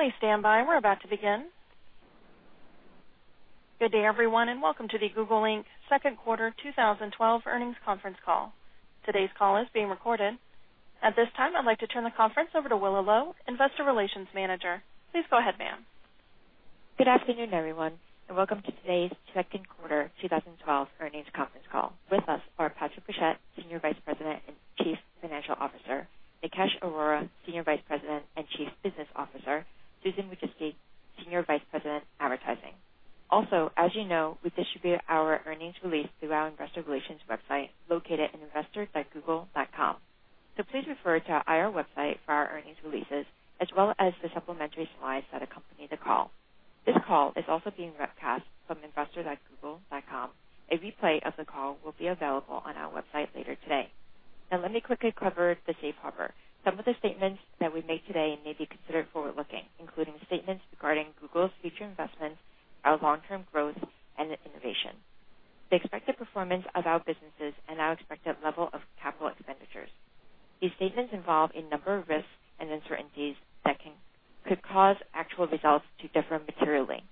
Please stand by. We're about to begin. Good day, everyone, and welcome to the Google Inc Second Quarter 2012 Earnings Conference Call. Today's call is being recorded. At this time, I'd like to turn the conference over to Willa Lau, Investor Relations Manager. Please go ahead, ma'am. Good afternoon, everyone, and welcome to today's Second Quarter 2012 Earnings Conference Call. With us are Patrick Pichette, Senior Vice President and Chief Financial Officer, Nikesh Arora, Senior Vice President and Chief Business Officer, Susan Wojcicki, Senior Vice President Advertising. Also, as you know, we distribute our earnings release through our Investor Relations website located at investor.google.com. So please refer to our website for our earnings releases, as well as the supplementary slides that accompany the call. This call is also being webcast from investor.google.com. A replay of the call will be available on our website later today. Now, let me quickly cover the safe harbor. Some of the statements that we make today may be considered forward-looking, including statements regarding Google's future investments, our long-term growth, and innovation, the expected performance of our businesses, and our expected level of capital expenditures. These statements involve a number of risks and uncertainties that could cause actual results to differ materially.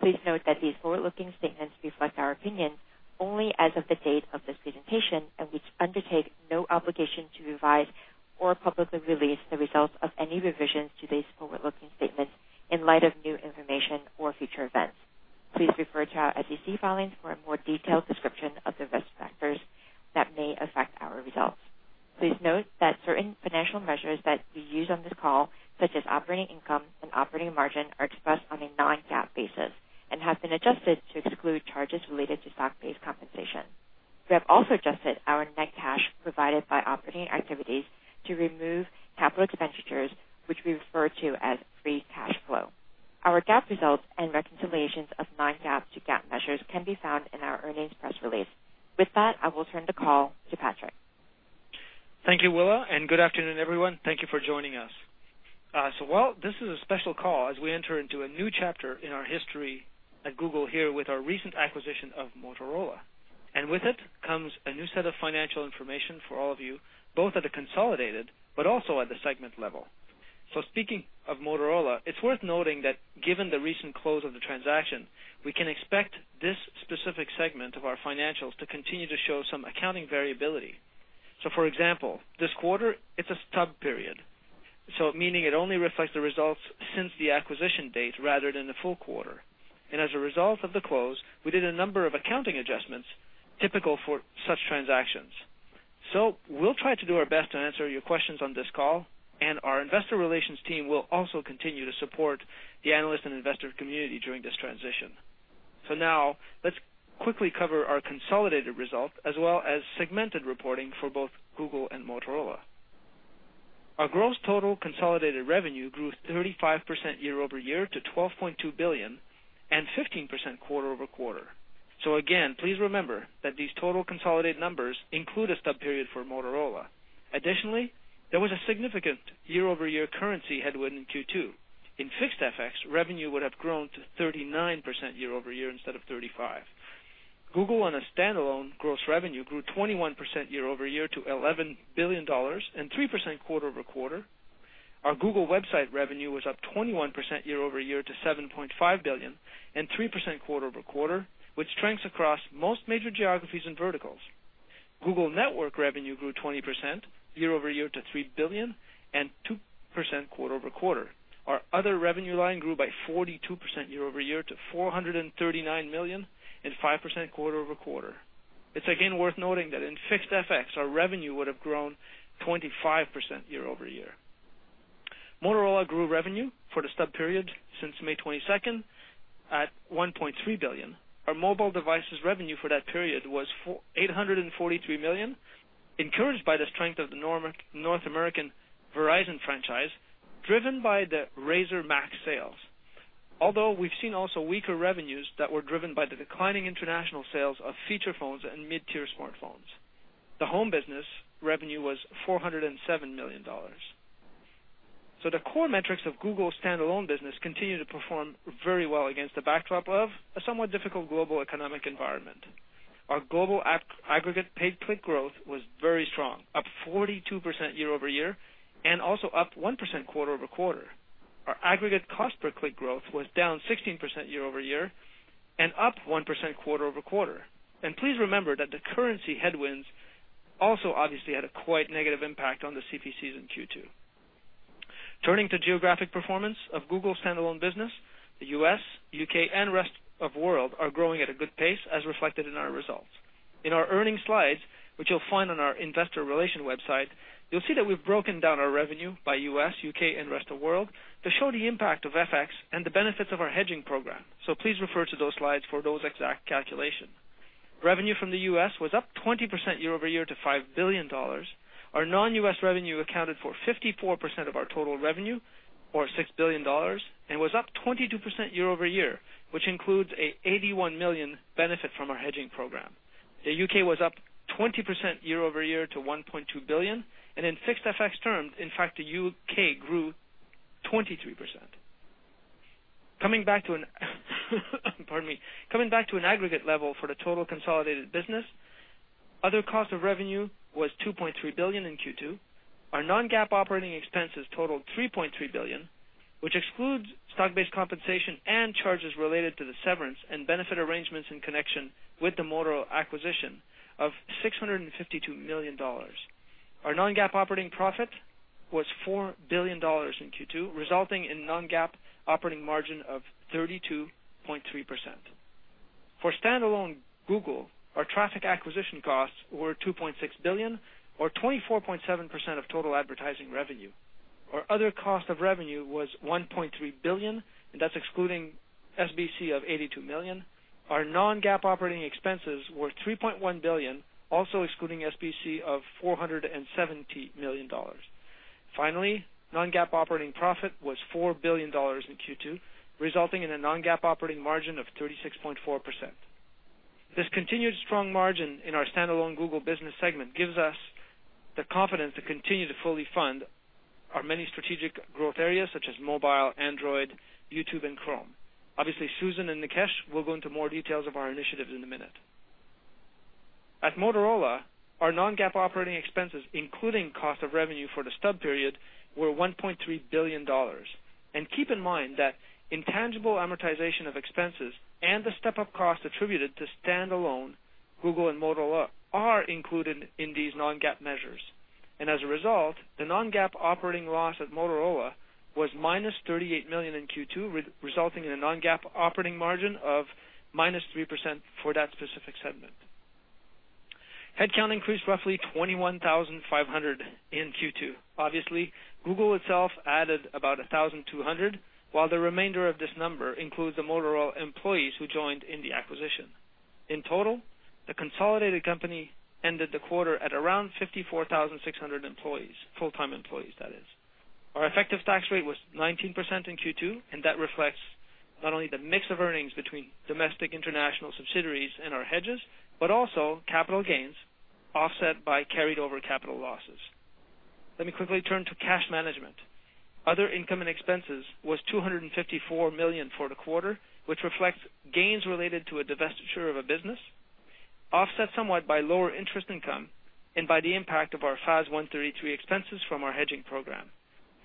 Please note that these forward-looking statements reflect our opinions only as of the date of this presentation, and we undertake no obligation to revise or publicly release the results of any revisions to these forward-looking statements in light of new information or future events. Please refer to our SEC filings for a more detailed description of the risk factors that may affect our results. Please note that certain financial measures that we use on this call, such as operating income and operating margin, are expressed on a non-GAAP basis and have been adjusted to exclude charges related to stock-based compensation. We have also adjusted our net cash provided by operating activities to remove capital expenditures, which we refer to as free cash flow. Our GAAP results and reconciliations of non-GAAP to GAAP measures can be found in our earnings press release. With that, I will turn the call to Patrick. Thank you, Willa, and good afternoon, everyone. Thank you for joining us, so well, this is a special call as we enter into a new chapter in our history at Google here with our recent acquisition of Motorola, and with it comes a new set of financial information for all of you, both at a consolidated but also at the segment level, so speaking of Motorola, it's worth noting that given the recent close of the transaction, we can expect this specific segment of our financials to continue to show some accounting variability, so for example, this quarter, it's a stub period, meaning it only reflects the results since the acquisition date rather than the full quarter, and as a result of the close, we did a number of accounting adjustments typical for such transactions. So, we'll try to do our best to answer your questions on this call, and our Investor Relations team will also continue to support the analyst and investor community during this transition. So now, let's quickly cover our consolidated result as well as segmented reporting for both Google and Motorola. Our gross total consolidated revenue grew 35% year-over-year to $12.2 billion and 15% quarter over quarter. So again, please remember that these total consolidated numbers include a stub period for Motorola. Additionally, there was a significant year-over-year currency headwind in Q2. In fixed FX, revenue would have grown to 39% year-over-year instead of 35%. Google on a standalone gross revenue grew 21% year-over-year to $11 billion and 3% quarter over quarter. Our Google website revenue was up 21% year-over-year to $7.5 billion and 3% quarter over quarter, which tracks across most major geographies and verticals. Google network revenue grew 20% year-over-year to $3 billion and 2% quarter over quarter. Our other revenue line grew by 42% year-over-year to $439 million and 5% quarter over quarter. It's again worth noting that in fixed FX, our revenue would have grown 25% year-over-year. Motorola grew revenue for the stub period since May 22nd at $1.3 billion. Our mobile devices revenue for that period was $843 million, encouraged by the strength of the North American Verizon franchise driven by the RAZR MAXX sales, although we've seen also weaker revenues that were driven by the declining international sales of feature phones and mid-tier smartphones. The home business revenue was $407 million. The core metrics of Google's standalone business continue to perform very well against the backdrop of a somewhat difficult global economic environment. Our global aggregate paid click growth was very strong, up 42% year-over-year and also up 1% quarter over quarter. Our aggregate cost per click growth was down 16% year-over-year and up 1% quarter over quarter. Please remember that the currency headwinds also obviously had a quite negative impact on the CPCs in Q2. Turning to geographic performance of Google's standalone business, the U.S., U.K., and rest of the world are growing at a good pace, as reflected in our results. In our earnings slides, which you'll find on our Investor Relations website, you'll see that we've broken down our revenue by U.S., U.K., and rest of the world to show the impact of FX and the benefits of our hedging program. Please refer to those slides for those exact calculations. Revenue from the U.S. was up 20% year-over-year to $5 billion. Our non-U.S. revenue accounted for 54% of our total revenue, or $6 billion, and was up 22% year-over-year, which includes an $81 million benefit from our hedging program. The U.K. was up 20% year-over-year to $1.2 billion. In fixed FX terms, in fact, the U.K. grew 23%. Coming back to an aggregate level for the total consolidated business, other cost of revenue was $2.3 billion in Q2. Our non-GAAP operating expenses totaled $3.3 billion, which excludes stock-based compensation and charges related to the severance and benefit arrangements in connection with the Motorola acquisition of $652 million. Our non-GAAP operating profit was $4 billion in Q2, resulting in a non-GAAP operating margin of 32.3%. For standalone Google, our traffic acquisition costs were $2.6 billion, or 24.7% of total advertising revenue. Our other cost of revenue was $1.3 billion, and that's excluding SBC of $82 million. Our non-GAAP operating expenses were $3.1 billion, also excluding SBC of $470 million. Finally, non-GAAP operating profit was $4 billion in Q2, resulting in a non-GAAP operating margin of 36.4%. This continued strong margin in our standalone Google business segment gives us the confidence to continue to fully fund our many strategic growth areas such as mobile, Android, YouTube, and Chrome. Obviously, Susan and Nikesh will go into more details of our initiatives in a minute. At Motorola, our non-GAAP operating expenses, including cost of revenue for the stub period, were $1.3 billion, and keep in mind that intangible amortization of expenses and the step-up cost attributed to standalone Google and Motorola are included in these non-GAAP measures. As a result, the non-GAAP operating loss at Motorola was minus $38 million in Q2, resulting in a non-GAAP operating margin of minus 3% for that specific segment. Headcount increased roughly 21,500 in Q2. Obviously, Google itself added about 1,200, while the remainder of this number includes the Motorola employees who joined in the acquisition. In total, the consolidated company ended the quarter at around 54,600 employees, full-time employees, that is. Our effective tax rate was 19% in Q2, and that reflects not only the mix of earnings between domestic and international subsidiaries and our hedges, but also capital gains offset by carried-over capital losses. Let me quickly turn to cash management. Other income and expenses was $254 million for the quarter, which reflects gains related to a divestiture of a business, offset somewhat by lower interest income and by the impact of our FAS 133 expenses from our hedging program.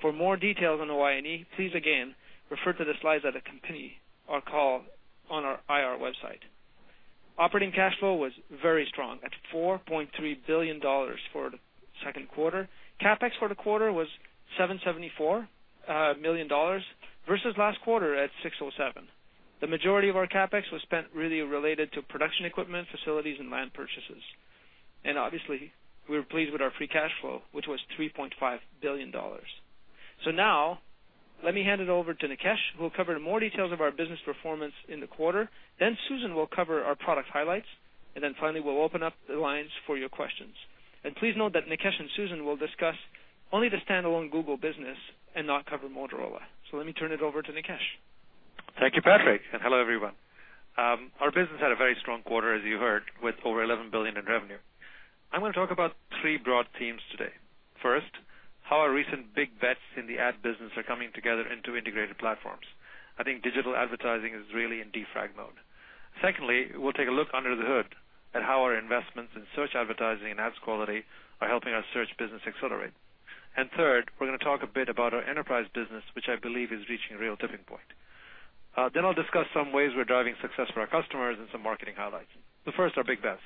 For more details on OI&E, please again refer to the slides that accompany our call on our IR website. Operating cash flow was very strong at $4.3 billion for the second quarter. CapEx for the quarter was $774 million versus last quarter at $607 million. The majority of our CapEx was spent really related to production equipment, facilities, and land purchases, and obviously, we were pleased with our free cash flow, which was $3.5 billion. Now, let me hand it over to Nikesh, who will cover more details of our business performance in the quarter. Then Susan will cover our product highlights, and then finally, we'll open up the lines for your questions. And please note that Nikesh and Susan will discuss only the standalone Google business and not cover Motorola. So let me turn it over to Nikesh. Thank you, Patrick, and hello, everyone. Our business had a very strong quarter, as you heard, with over $11 billion in revenue. I'm going to talk about three broad themes today. First, how our recent big bets in the ad business are coming together into integrated platforms. I think digital advertising is really in defrag mode. Secondly, we'll take a look under the hood at how our investments in search advertising and ads quality are helping our search business accelerate. And third, we're going to talk a bit about our enterprise business, which I believe is reaching a real tipping point. Then I'll discuss some ways we're driving success for our customers and some marketing highlights. So first, our big bets.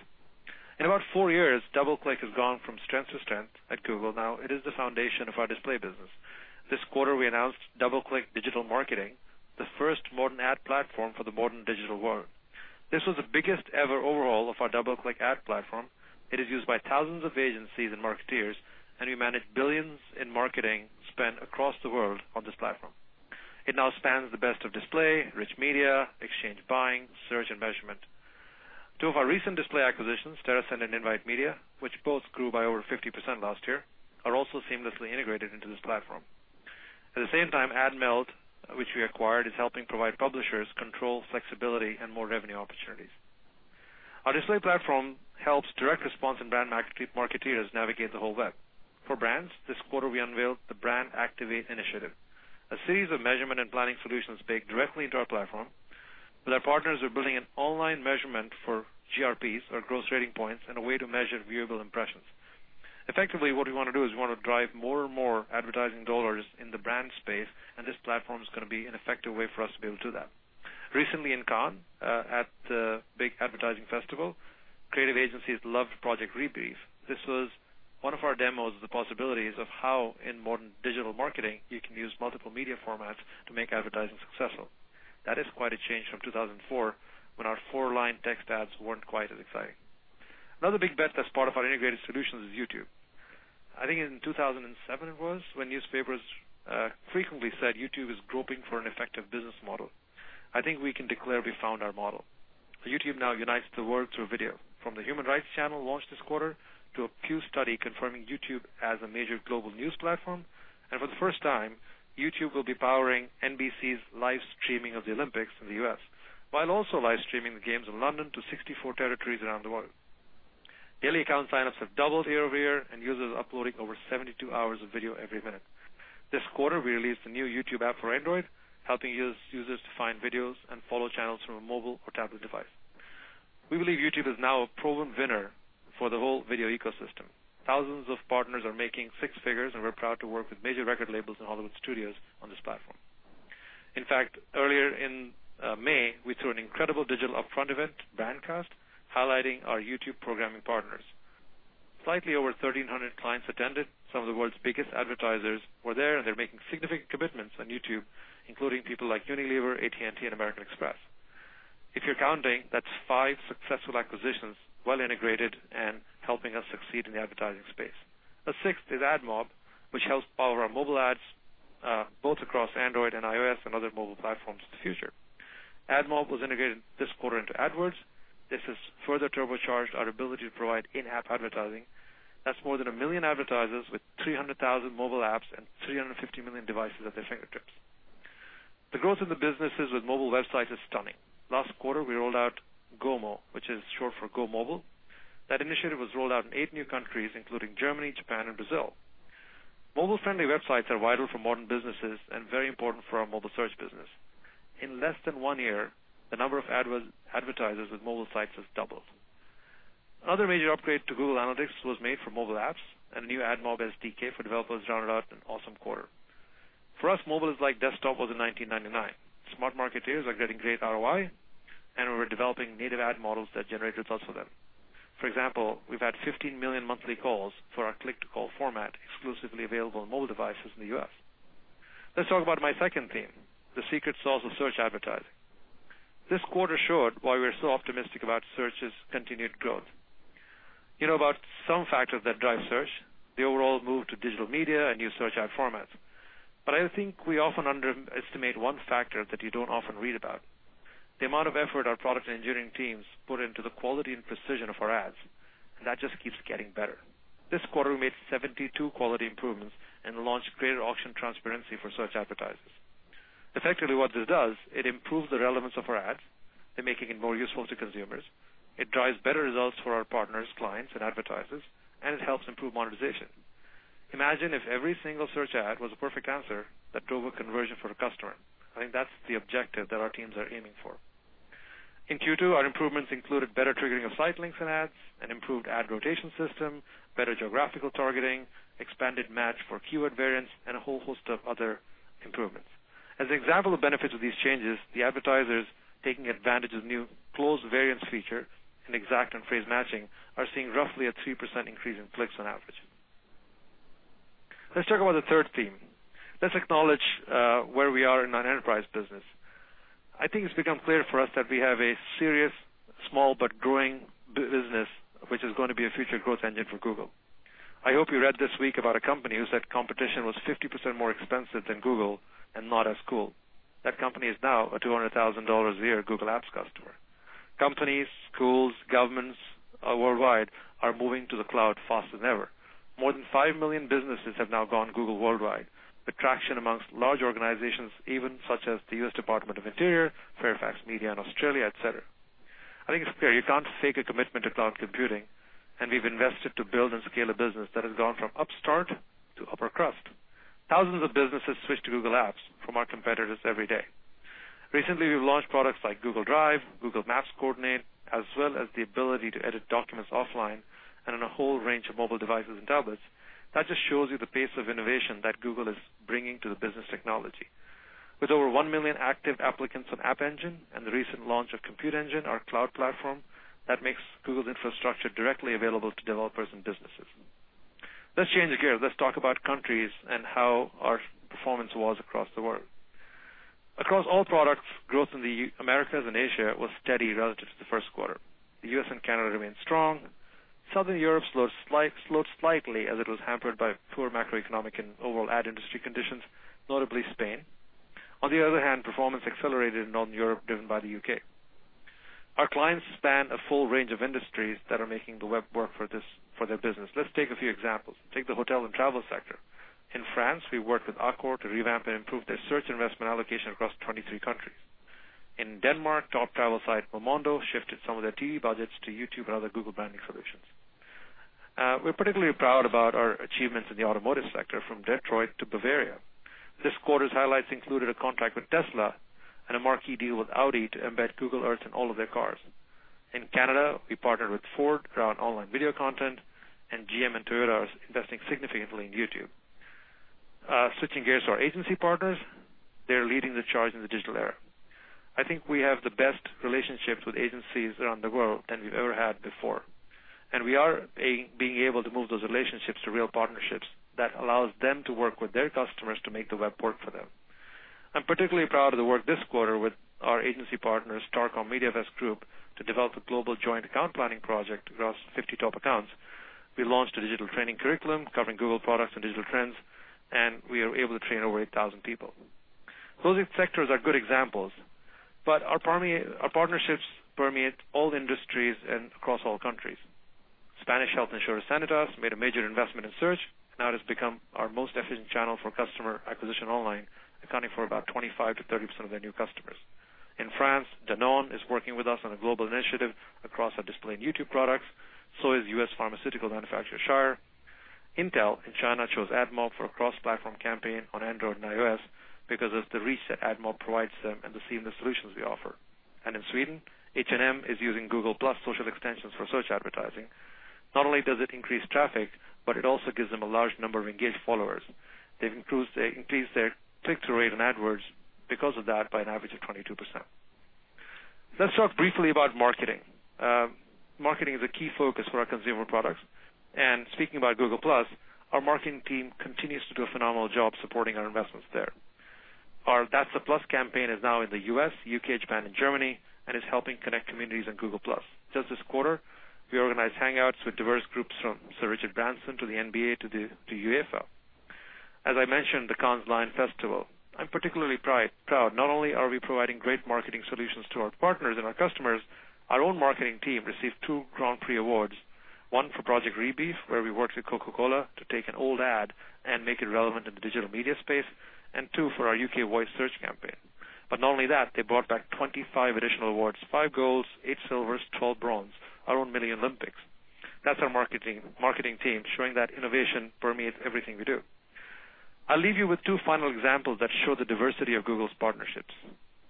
In about four years, DoubleClick has gone from strength to strength at Google. Now, it is the foundation of our display business. This quarter, we announced DoubleClick Digital Marketing, the first modern ad platform for the modern digital world. This was the biggest ever overhaul of our DoubleClick ad platform. It is used by thousands of agencies and marketers, and we manage billions in marketing spent across the world on this platform. It now spans the best of display, rich media, exchange buying, search, and measurement. Two of our recent display acquisitions, Teracent and Invite Media, which both grew by over 50% last year, are also seamlessly integrated into this platform. At the same time, Admeld, which we acquired, is helping provide publishers control, flexibility, and more revenue opportunities. Our display platform helps direct response and brand marketers navigate the whole web. For brands, this quarter, we unveiled the Brand Activate Initiative, a series of measurement and planning solutions baked directly into our platform. With our partners, we're building an online measurement for GRPs, or gross rating points, and a way to measure viewable impressions. Effectively, what we want to do is we want to drive more and more advertising dollars in the brand space, and this platform is going to be an effective way for us to be able to do that. Recently, in Cannes, at the big advertising festival, creative agencies loved Project Rebrief. This was one of our demos of the possibilities of how in modern digital marketing you can use multiple media formats to make advertising successful. That is quite a change from 2004 when our four-line text ads weren't quite as exciting. Another big bet that's part of our integrated solutions is YouTube. I think in 2007 it was when newspapers frequently said YouTube is groping for an effective business model. I think we can declare we found our model. YouTube now unites the world through video, from the Human Rights Channel launched this quarter to a Pew study confirming YouTube as a major global news platform, and for the first time, YouTube will be powering NBC's live streaming of the Olympics in the U.S., while also live streaming the games in London to 64 territories around the world. Daily account signups have doubled year-over-year, and users are uploading over 72 hours of video every minute. This quarter, we released the new YouTube app for Android, helping users to find videos and follow channels from a mobile or tablet device. We believe YouTube is now a proven winner for the whole video ecosystem. Thousands of partners are making six figures, and we're proud to work with major record labels and Hollywood studios on this platform. In fact, earlier in May, we threw an incredible digital upfront event, Brandcast, highlighting our YouTube programming partners. Slightly over 1,300 clients attended. Some of the world's biggest advertisers were there, and they're making significant commitments on YouTube, including people like Unilever, AT&T, and American Express. If you're counting, that's five successful acquisitions, well integrated and helping us succeed in the advertising space. The sixth is AdMob, which helps power our mobile ads both across Android and iOS and other mobile platforms in the future. AdMob was integrated this quarter into AdWords. This has further turbocharged our ability to provide in-app advertising. That's more than a million advertisers with 300,000 mobile apps and 350 million devices at their fingertips. The growth in the businesses with mobile websites is stunning. Last quarter, we rolled out GoMo, which is short for GoMobile. That initiative was rolled out in eight new countries, including Germany, Japan, and Brazil. Mobile-friendly websites are vital for modern businesses and very important for our mobile search business. In less than one year, the number of advertisers with mobile sites has doubled. Another major upgrade to Google Analytics was made for mobile apps, and a new AdMob SDK for developers rounded out an awesome quarter. For us, mobile is like desktop was in 1999. Smart marketeers are getting great ROI, and we were developing native ad models that generate results for them. For example, we've had 15 million monthly calls for our click-to-call format exclusively available on mobile devices in the U.S. Let's talk about my second theme, the secret sauce of search advertising. This quarter showed why we're so optimistic about search's continued growth. You know about some factors that drive search, the overall move to digital media, and new search ad formats. But I think we often underestimate one factor that you don't often read about: the amount of effort our product and engineering teams put into the quality and precision of our ads. And that just keeps getting better. This quarter, we made 72 quality improvements and launched greater auction transparency for search advertisers. Effectively, what this does, it improves the relevance of our ads. It's making it more useful to consumers. It drives better results for our partners, clients, and advertisers. And it helps improve monetization. Imagine if every single search ad was a perfect answer that drove a conversion for a customer. I think that's the objective that our teams are aiming for. In Q2, our improvements included better triggering of Sitelinks and ads, an improved ad rotation system, better geographical targeting, expanded match for keyword variants, and a whole host of other improvements. As an example of benefits of these changes, the advertisers taking advantage of the new close variant feature and exact and phrase matching are seeing roughly a 3% increase in clicks on average. Let's talk about the third theme. Let's acknowledge where we are in our enterprise business. I think it's become clear for us that we have a serious, small but growing business, which is going to be a future growth engine for Google. I hope you read this week about a company who said competition was 50% more expensive than Google and not as cool. That company is now a $200,000 a year Google Apps customer. Companies, schools, governments worldwide are moving to the cloud faster than ever. More than five million businesses have now gone Google worldwide, with traction among large organizations, even such as the U.S. Department of the Interior, Fairfax Media in Australia, et cetera. I think it's clear you can't fake a commitment to cloud computing, and we've invested to build and scale a business that has gone from upstart to upper crust. Thousands of businesses switch to Google Apps from our competitors every day. Recently, we've launched products like Google Drive, Google Maps Coordinate, as well as the ability to edit documents offline and on a whole range of mobile devices and tablets. That just shows you the pace of innovation that Google is bringing to the business technology. With over one million active applicants on App Engine and the recent launch of Compute Engine, our cloud platform, that makes Google's infrastructure directly available to developers and businesses. Let's change gears. Let's talk about countries and how our performance was across the world. Across all products, growth in the Americas and Asia was steady relative to the first quarter. The U.S. and Canada remained strong. Southern Europe slowed slightly as it was hampered by poor macroeconomic and overall ad industry conditions, notably Spain. On the other hand, performance accelerated in Northern Europe driven by the U.K. Our clients span a full range of industries that are making the web work for their business. Let's take a few examples. Take the hotel and travel sector. In France, we worked with Accor to revamp and improve their search investment allocation across 23 countries. In Denmark, top travel site Momondo shifted some of their TV budgets to YouTube and other Google branding solutions. We're particularly proud about our achievements in the automotive sector from Detroit to Bavaria. This quarter's highlights included a contract with Tesla and a marquee deal with Audi to embed Google Earth in all of their cars. In Canada, we partnered with Ford around online video content, and GM and Toyota are investing significantly in YouTube. Switching gears to our agency partners, they're leading the charge in the digital era. I think we have the best relationships with agencies around the world than we've ever had before, and we are being able to move those relationships to real partnerships that allow them to work with their customers to make the web work for them. I'm particularly proud of the work this quarter with our agency partners, Starcom MediaVest Group, to develop a global joint account planning project across 50 top accounts. We launched a digital training curriculum covering Google products and digital trends, and we are able to train over 8,000 people. Those sectors are good examples. But our partnerships permeate all industries and across all countries. Spanish health insurer Sanitas made a major investment in search, and now it has become our most efficient channel for customer acquisition online, accounting for about 25%-30% of their new customers. In France, Danone is working with us on a global initiative across our display and YouTube products. So is U.S. pharmaceutical manufacturer Shire. Intel in China chose AdMob for a cross-platform campaign on Android and iOS because of the reach that AdMob provides them and the seamless solutions we offer. And in Sweden, H&M is using Google+ Social Extensions for search advertising. Not only does it increase traffic, but it also gives them a large number of engaged followers. They've increased their click-through rate on AdWords because of that by an average of 22%. Let's talk briefly about marketing. Marketing is a key focus for our consumer products. And speaking about Google+, our marketing team continues to do a phenomenal job supporting our investments there. Our "That's the Plus" campaign is now in the U.S., U.K., Japan, and Germany, and is helping connect communities on Google+. Just this quarter, we organized Hangouts with diverse groups from Sir Richard Branson to the NBA to UEFA. As I mentioned, the Cannes Lions Festival. I'm particularly proud. Not only are we providing great marketing solutions to our partners and our customers, our own marketing team received two Grand Prix awards: one for Project Rebrief, where we worked with Coca-Cola to take an old ad and make it relevant in the digital media space, and two for our UK Voice Search campaign. But not only that, they brought back 25 additional awards: five golds, eight silvers, 12 bronze, our own mini Olympics. That's our marketing team, showing that innovation permeates everything we do. I'll leave you with two final examples that show the diversity of Google's partnerships.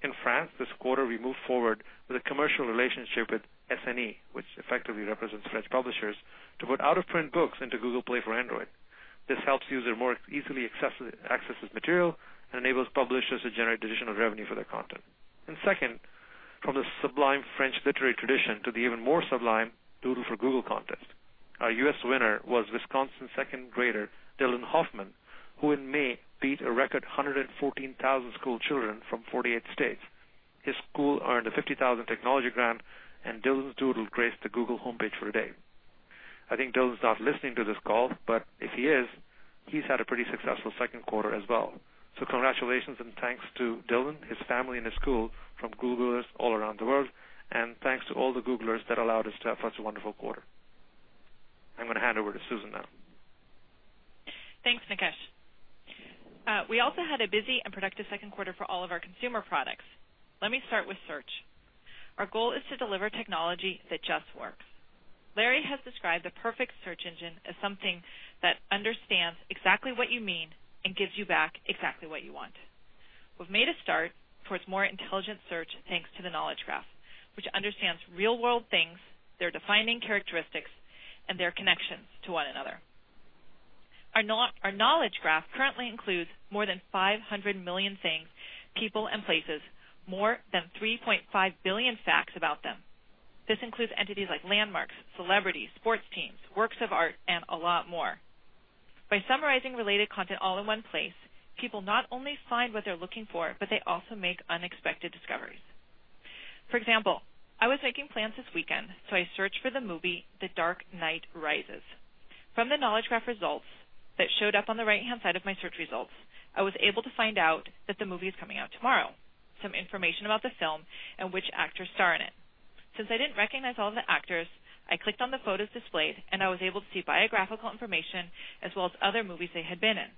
In France, this quarter, we moved forward with a commercial relationship with SNE, which effectively represents French publishers, to put out-of-print books into Google Play for Android. This helps users more easily access this material and enables publishers to generate additional revenue for their content. And second, from the sublime French literary tradition to the even more sublime Doodle for Google contest. Our U.S. winner was Wisconsin second grader Dylan Hoffman, who in May beat a record 114,000 school children from 48 states. His school earned a $50,000 technology grant, and Dylan's Doodle graced the Google homepage for the day. I think Dylan's not listening to this call, but if he is, he's had a pretty successful second quarter as well. So congratulations and thanks to Dylan, his family, and his school from Googlers all around the world. And thanks to all the Googlers that allowed us to have such a wonderful quarter. I'm going to hand over to Susan now. Thanks, Nikesh. We also had a busy and productive second quarter for all of our consumer products. Let me start with search. Our goal is to deliver technology that just works. Larry has described the perfect search engine as something that understands exactly what you mean and gives you back exactly what you want. We've made a start towards more intelligent search thanks to the Knowledge Graph, which understands real-world things, their defining characteristics, and their connections to one another. Our Knowledge Graph currently includes more than 500 million things, people, and places, more than 3.5 billion facts about them. This includes entities like landmarks, celebrities, sports teams, works of art, and a lot more. By summarizing related content all in one place, people not only find what they're looking for, but they also make unexpected discoveries. For example, I was making plans this weekend, so I searched for the movie The Dark Knight Rises. From the Knowledge Graph results that showed up on the right-hand side of my search results, I was able to find out that the movie is coming out tomorrow, some information about the film, and which actors star in it. Since I didn't recognize all of the actors, I clicked on the photos displayed, and I was able to see biographical information as well as other movies they had been in.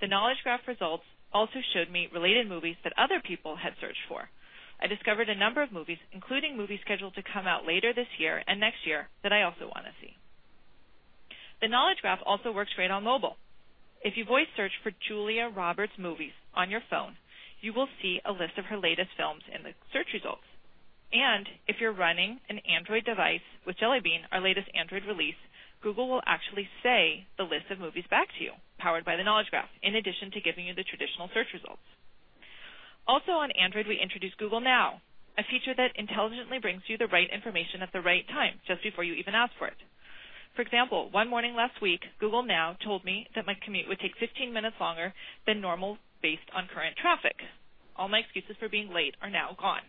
The Knowledge Graph results also showed me related movies that other people had searched for. I discovered a number of movies, including movies scheduled to come out later this year and next year, that I also want to see. The Knowledge Graph also works great on mobile. If you voice search for Julia Roberts movies on your phone, you will see a list of her latest films in the search results, and if you're running an Android device with Jelly Bean, our latest Android release, Google will actually say the list of movies back to you, powered by the Knowledge Graph, in addition to giving you the traditional search results. Also, on Android, we introduced Google Now, a feature that intelligently brings you the right information at the right time just before you even ask for it. For example, one morning last week, Google Now told me that my commute would take 15 minutes longer than normal based on current traffic. All my excuses for being late are now gone.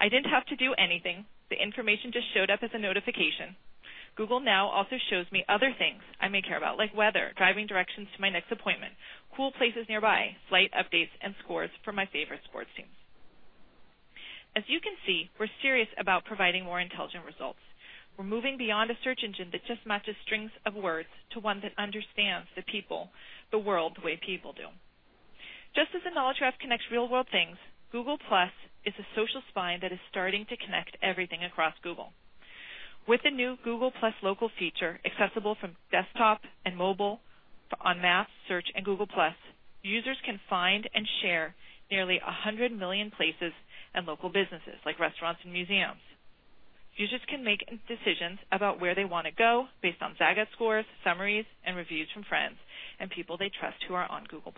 I didn't have to do anything. The information just showed up as a notification. Google Now also shows me other things I may care about, like weather, driving directions to my next appointment, cool places nearby, flight updates, and scores for my favorite sports teams. As you can see, we're serious about providing more intelligent results. We're moving beyond a search engine that just matches strings of words to one that understands the people, the world, the way people do. Just as the Knowledge Graph connects real-world things, Google+ is a social spine that is starting to connect everything across Google. With the new Google+ Local feature accessible from desktop and mobile on Maps, Search, and Google+, users can find and share nearly 100 million places and local businesses, like restaurants and museums. Users can make decisions about where they want to go based on Zagat scores, summaries, and reviews from friends and people they trust who are on Google+.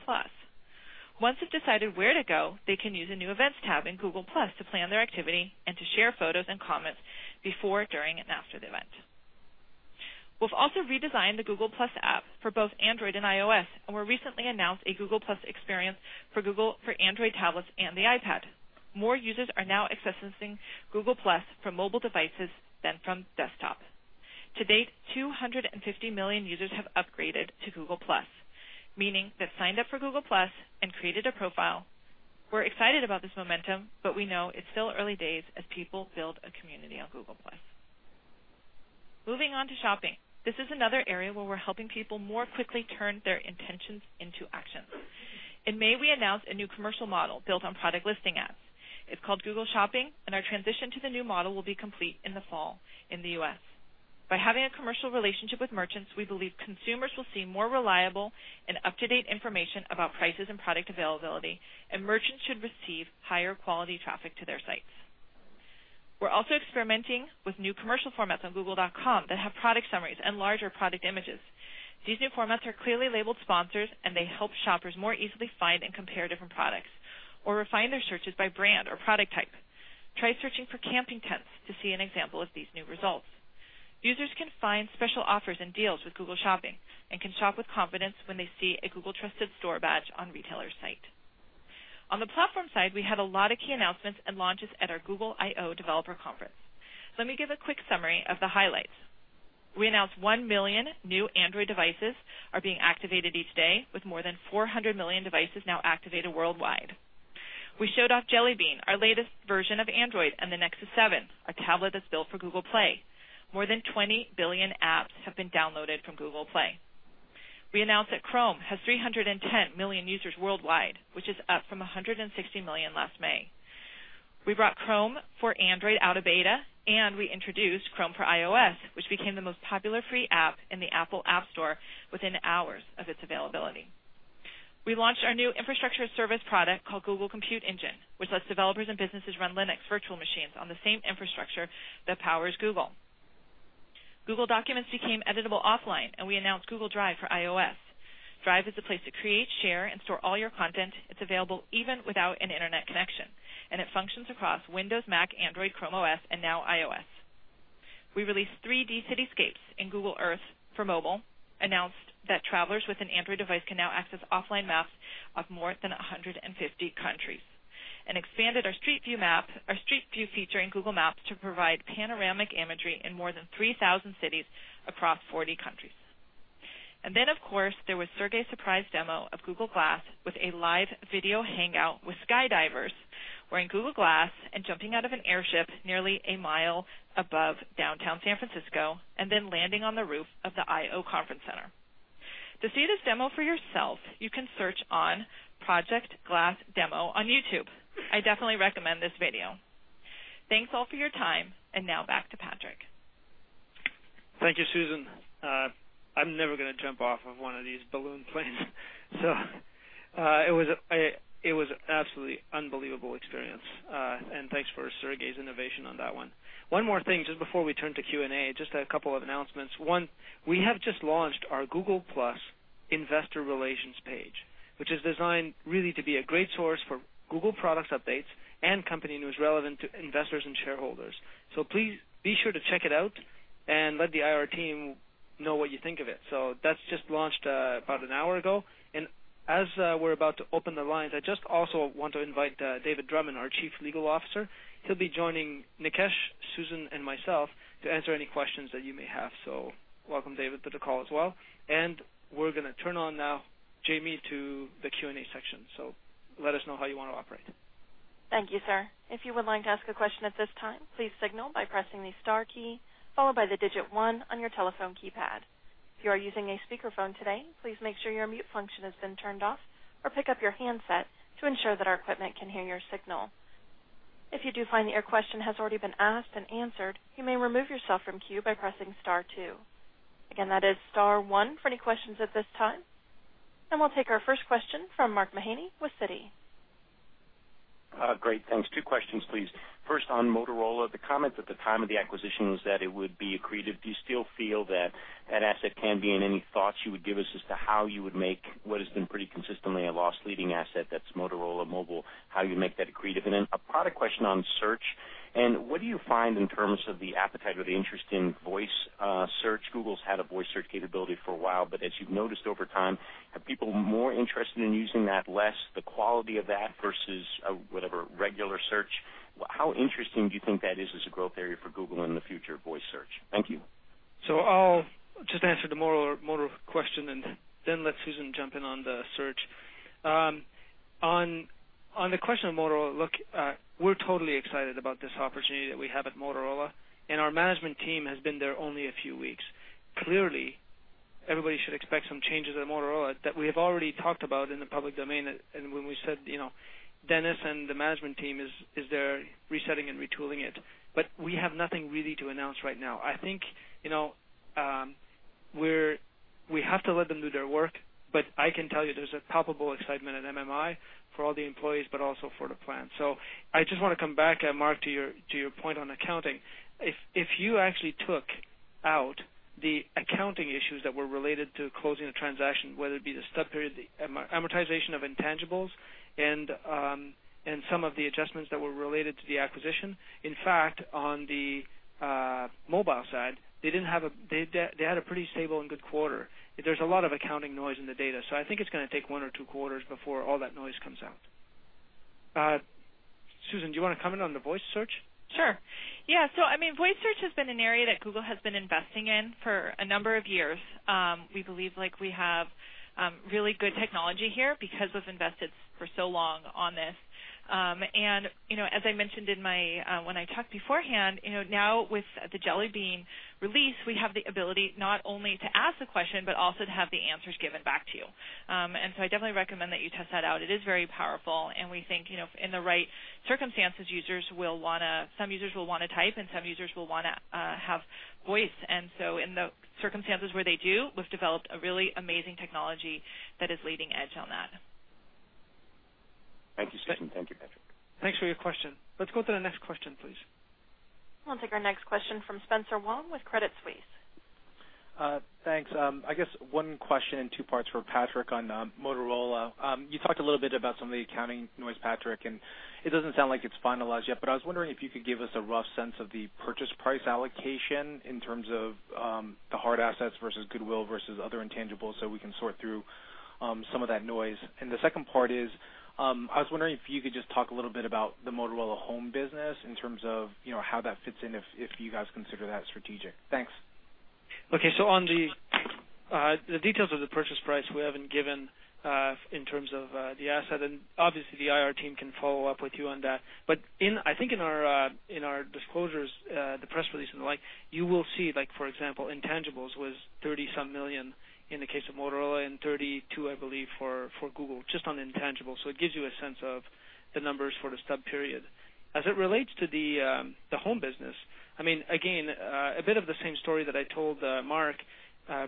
Once they've decided where to go, they can use a new Events tab in Google+ to plan their activity and to share photos and comments before, during, and after the event. We've also redesigned the Google+ app for both Android and iOS, and we recently announced a Google+ experience for Android tablets and the iPad. More users are now accessing Google+ from mobile devices than from desktop. To date, 250 million users have upgraded to Google+, meaning they've signed up for Google+ and created a profile. We're excited about this momentum, but we know it's still early days as people build a community on Google+. Moving on to shopping, this is another area where we're helping people more quickly turn their intentions into actions. In May, we announced a new commercial model built on Product Listing Ads. It's called Google Shopping, and our transition to the new model will be complete in the fall in the U.S. By having a commercial relationship with merchants, we believe consumers will see more reliable and up-to-date information about prices and product availability, and merchants should receive higher quality traffic to their sites. We're also experimenting with new commercial formats on Google.com that have product summaries and larger product images. These new formats are clearly labeled sponsors, and they help shoppers more easily find and compare different products or refine their searches by brand or product type. Try searching for camping tents to see an example of these new results. Users can find special offers and deals with Google Shopping and can shop with confidence when they see a Google Trusted Store badge on a retailer's site. On the platform side, we had a lot of key announcements and launches at our Google I/O Developer Conference. Let me give a quick summary of the highlights. We announced one million new Android devices are being activated each day, with more than 400 million devices now activated worldwide. We showed off Jelly Bean, our latest version of Android, and the Nexus 7, our tablet that's built for Google Play. More than 20 billion apps have been downloaded from Google Play. We announced that Chrome has 310 million users worldwide, which is up from 160 million last May. We brought Chrome for Android out of beta, and we introduced Chrome for iOS, which became the most popular free app in the Apple App Store within hours of its availability. We launched our new infrastructure service product called Google Compute Engine, which lets developers and businesses run Linux virtual machines on the same infrastructure that powers Google. Google Documents became editable offline, and we announced Google Drive for iOS. Drive is a place to create, share, and store all your content. It's available even without an internet connection, and it functions across Windows, Mac, Android, Chrome OS, and now iOS. We released 3D cityscapes in Google Earth for mobile, announced that travelers with an Android device can now access offline maps of more than 150 countries, and expanded our Street View feature in Google Maps to provide panoramic imagery in more than 3,000 cities across 40 countries. Then, of course, there was a surprise demo of Google Glass with a live video hangout with skydivers, wearing Google Glass and jumping out of an airship nearly a mile above downtown San Francisco, and then landing on the roof of the I/O Conference Center. To see this demo for yourself, you can search on Project Glass Demo on YouTube. I definitely recommend this video. Thanks all for your time, and now back to Patrick. Thank you, Susan. I'm never going to jump off of one of these balloon planes. So it was an absolutely unbelievable experience, and thanks for Sergey's innovation on that one. One more thing just before we turn to Q&A, just a couple of announcements. One, we have just launched our Google+ Investor Relations page, which is designed really to be a great source for Google product updates and company news relevant to investors and shareholders. So please be sure to check it out and let the IR team know what you think of it. So that's just launched about an hour ago. And as we're about to open the lines, I just also want to invite David Drummond, our Chief Legal Officer. He'll be joining Nikesh, Susan, and myself to answer any questions that you may have. So welcome, David, to the call as well. We're going to turn on now, Jamie, to the Q&A section. Let us know how you want to operate. Thank you, sir. If you would like to ask a question at this time, please signal by pressing the star key followed by the digit one on your telephone keypad. If you are using a speakerphone today, please make sure your mute function has been turned off or pick up your handset to ensure that our equipment can hear your signal. If you do find that your question has already been asked and answered, you may remove yourself from queue by pressing star two. Again, that is star one for any questions at this time. And we'll take our first question from Mark Mahaney with Citi. Great. Thanks. Two questions, please. First, on Motorola, the comment at the time of the acquisition was that it would be accretive. Do you still feel that that asset can be accretive? Any thoughts you would give us as to how you would make what has been pretty consistently a loss-leading asset? That's Motorola Mobility. How you make that accretive. And then a product question on search. And what do you find in terms of the appetite or the interest in voice search? Google's had a voice search capability for a while, but as you've noticed over time, are people more interested in using that, less the quality of that versus whatever regular search? How interesting do you think that is as a growth area for Google in the future of voice search? Thank you. I'll just answer the Motorola question and then let Susan jump in on the search. On the question of Motorola, look, we're totally excited about this opportunity that we have at Motorola, and our management team has been there only a few weeks. Clearly, everybody should expect some changes at Motorola that we have already talked about in the public domain. And when we said, you know, Dennis and the management team is there resetting and retooling it, but we have nothing really to announce right now. I think, you know, we have to let them do their work, but I can tell you there's a palpable excitement at MMI for all the employees, but also for the plan. So I just want to come back, Mark, to your point on accounting. If you actually took out the accounting issues that were related to closing the transaction, whether it be the Stub Period, the amortization of intangibles, and some of the adjustments that were related to the acquisition, in fact, on the mobile side, they had a pretty stable and good quarter. There's a lot of accounting noise in the data. So I think it's going to take one or two quarters before all that noise comes out. Susan, do you want to comment on the Voice Search? Sure. Yeah, so I mean, voice search has been an area that Google has been investing in for a number of years. We believe we have really good technology here because we've invested for so long on this. And you know, as I mentioned when I talked beforehand, you know, now with the Jelly Bean release, we have the ability not only to ask the question, but also to have the answers given back to you. And so I definitely recommend that you test that out. It is very powerful, and we think, you know, in the right circumstances, users will want to, some users will want to type, and some users will want to have voice. And so in the circumstances where they do, we've developed a really amazing technology that is leading edge on that. Thank you, Susan. Thank you, Patrick. Thanks for your question. Let's go to the next question, please. We'll take our next question from Spencer Wang with Credit Suisse. Thanks. I guess one question in two parts for Patrick on Motorola. You talked a little bit about some of the accounting noise, Patrick, and it doesn't sound like it's finalized yet, but I was wondering if you could give us a rough sense of the purchase price allocation in terms of the hard assets versus goodwill versus other intangibles so we can sort through some of that noise? And the second part is I was wondering if you could just talk a little bit about the Motorola home business in terms of how that fits in if you guys consider that strategic? Thanks. Okay, so on the details of the purchase price, we haven't given in terms of the asset, and obviously, the IR team can follow up with you on that, but I think in our disclosures, the press release and the like, you will see, like, for example, intangibles was 30-some million in the case of Motorola and 32, I believe, for Google just on intangibles, so it gives you a sense of the numbers for the stub period. As it relates to the home business, I mean, again, a bit of the same story that I told Mark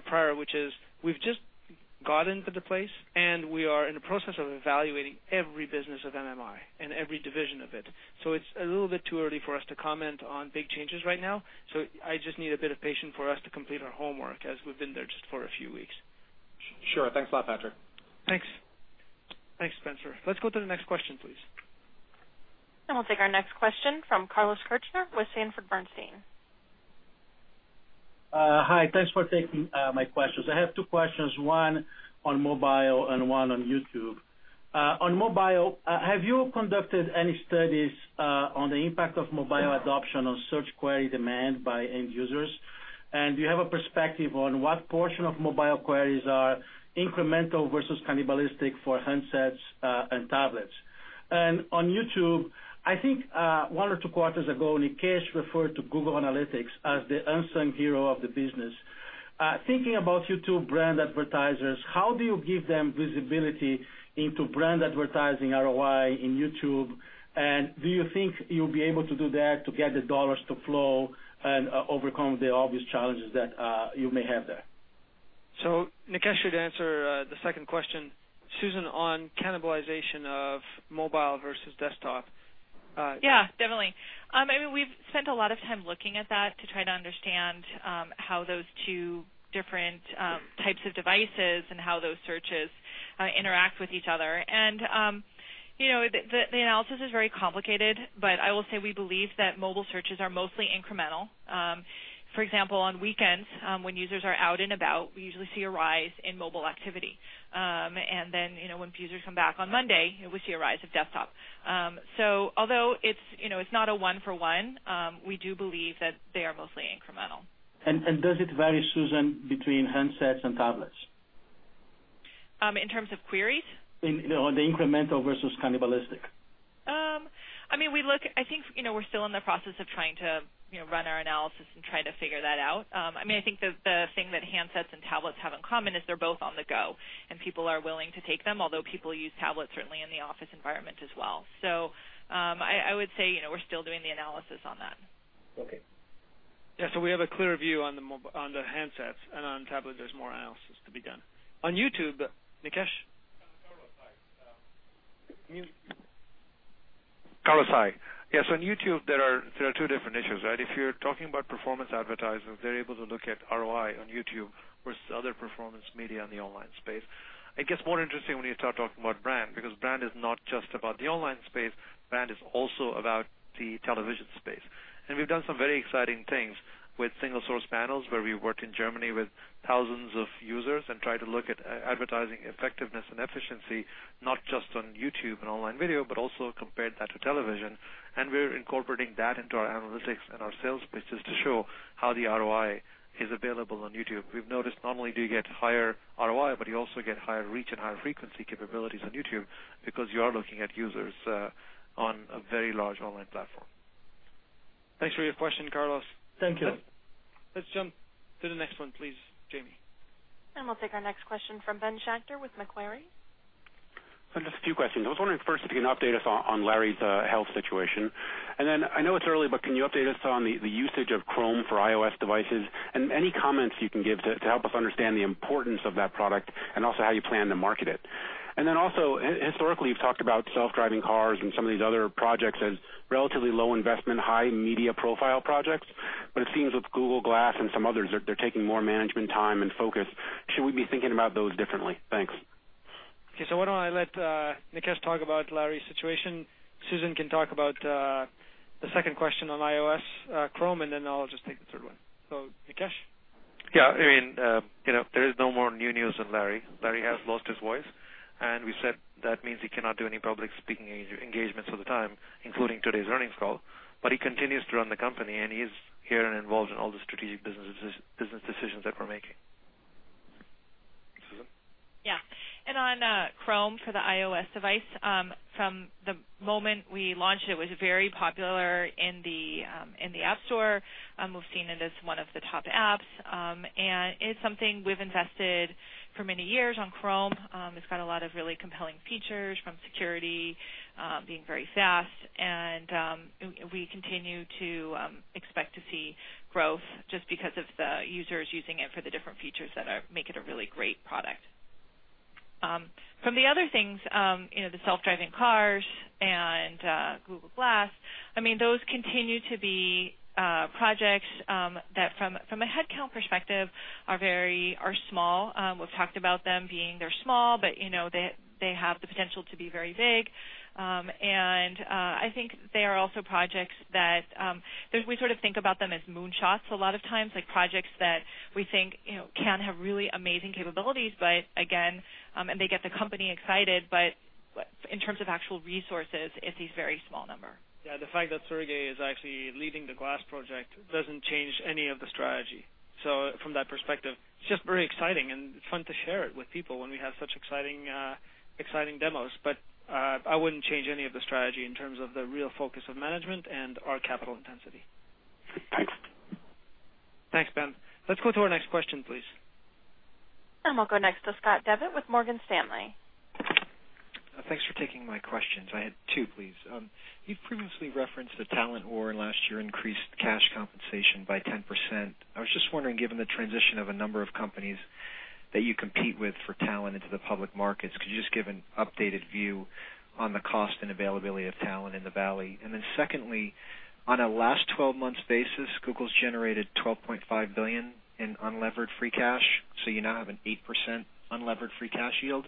prior, which is we've just got into the place, and we are in the process of evaluating every business of MMI and every division of it, so it's a little bit too early for us to comment on big changes right now. So I just need a bit of patience for us to complete our homework as we've been there just for a few weeks. Sure. Thanks a lot, Patrick. Thanks. Thanks, Spencer. Let's go to the next question, please. We'll take our next question from Carlos Kirjner with Sanford C. Bernstein. Hi. Thanks for taking my questions. I have two questions, one on mobile and one on YouTube. On mobile, have you conducted any studies on the impact of mobile adoption on search query demand by end users? And do you have a perspective on what portion of mobile queries are incremental versus cannibalistic for handsets and tablets? And on YouTube, I think one or two quarters ago, Nikesh referred to Google Analytics as the unsung hero of the business. Thinking about YouTube brand advertisers, how do you give them visibility into brand advertising ROI in YouTube? And do you think you'll be able to do that to get the dollars to flow and overcome the obvious challenges that you may have there? So Nikesh should answer the second question. Susan, on cannibalization of mobile versus desktop. Yeah, definitely. I mean, we've spent a lot of time looking at that to try to understand how those two different types of devices and how those searches interact with each other. And, you know, the analysis is very complicated, but I will say we believe that mobile searches are mostly incremental. For example, on weekends when users are out and about, we usually see a rise in mobile activity. And then when users come back on Monday, we see a rise of desktop. So although it's not a one-for-one, we do believe that they are mostly incremental. Does it vary, Susan, between handsets and tablets? In terms of queries? Or the incremental versus cannibalistic? I mean, I think we're still in the process of trying to run our analysis and try to figure that out. I mean, I think the thing that handsets and tablets have in common is they're both on the go, and people are willing to take them, although people use tablets certainly in the office environment as well. So I would say we're still doing the analysis on that. Okay. Yeah. So we have a clear view on the handsets and on tablets. There's more analysis to be done. On YouTube, Nikesh? Hi. Yeah. So on YouTube, there are two different issues, right? If you're talking about performance advertisers, they're able to look at ROI on YouTube versus other performance media in the online space. It gets more interesting when you start talking about brand because brand is not just about the online space. Brand is also about the television space. And we've done some very exciting things with single-source panels where we worked in Germany with thousands of users and tried to look at advertising effectiveness and efficiency, not just on YouTube and online video, but also compared that to television. And we're incorporating that into our analytics and our sales pitches to show how the ROI is available on YouTube. We've noticed not only do you get higher ROI, but you also get higher reach and higher frequency capabilities on YouTube because you are looking at users on a very large online platform. Thanks for your question, Carlos. Thank you. Let's jump to the next one, please, Jamie. We'll take our next question from Ben Schachter with Macquarie. Just a few questions. I was wondering first if you can update us on Larry's health situation? And then I know it's early, but can you update us on the usage of Chrome for iOS devices and any comments you can give to help us understand the importance of that product and also how you plan to market it? And then also, historically, you've talked about self-driving cars and some of these other projects as relatively low investment, high media profile projects. But it seems with Google Glass and some others, they're taking more management time and focus. Should we be thinking about those differently? Thanks. Okay. So why don't I let Nikesh talk about Larry's situation? Susan can talk about the second question on iOS, Chrome, and then I'll just take the third one. So Nikesh? Yeah. I mean, there is no more new news on Larry. Larry has lost his voice, and we said that means he cannot do any public speaking engagements at the time, including today's earnings call. But he continues to run the company, and he is here and involved in all the strategic business decisions that we're making. Susan? Yeah. And on Chrome for the iOS device, from the moment we launched, it was very popular in the App Store. We've seen it as one of the top apps. And it's something we've invested for many years on Chrome. It's got a lot of really compelling features from security being very fast. And we continue to expect to see growth just because of the users using it for the different features that make it a really great product. From the other things, the self-driving cars and Google Glass, I mean, those continue to be projects that, from a headcount perspective, are small. We've talked about them being, they're small, but they have the potential to be very big. I think they are also projects that we sort of think about them as moonshots a lot of times, like projects that we think can have really amazing capabilities, but again, and they get the company excited. But in terms of actual resources, it's a very small number. Yeah. The fact that Sergey is actually leading the Glass project doesn't change any of the strategy. So from that perspective, it's just very exciting, and it's fun to share it with people when we have such exciting demos. But I wouldn't change any of the strategy in terms of the real focus of management and our capital intensity. Thanks. Thanks, Ben. Let's go to our next question, please. We'll go next to Scott Devitt with Morgan Stanley. Thanks for taking my questions. I had two, please. You've previously referenced the talent war last year increased cash compensation by 10%. I was just wondering, given the transition of a number of companies that you compete with for talent into the public markets, could you just give an updated view on the cost and availability of talent in the Valley? And then secondly, on a last 12-month basis, Google's generated $12.5 billion in unlevered free cash. So you now have an 8% unlevered free cash yield.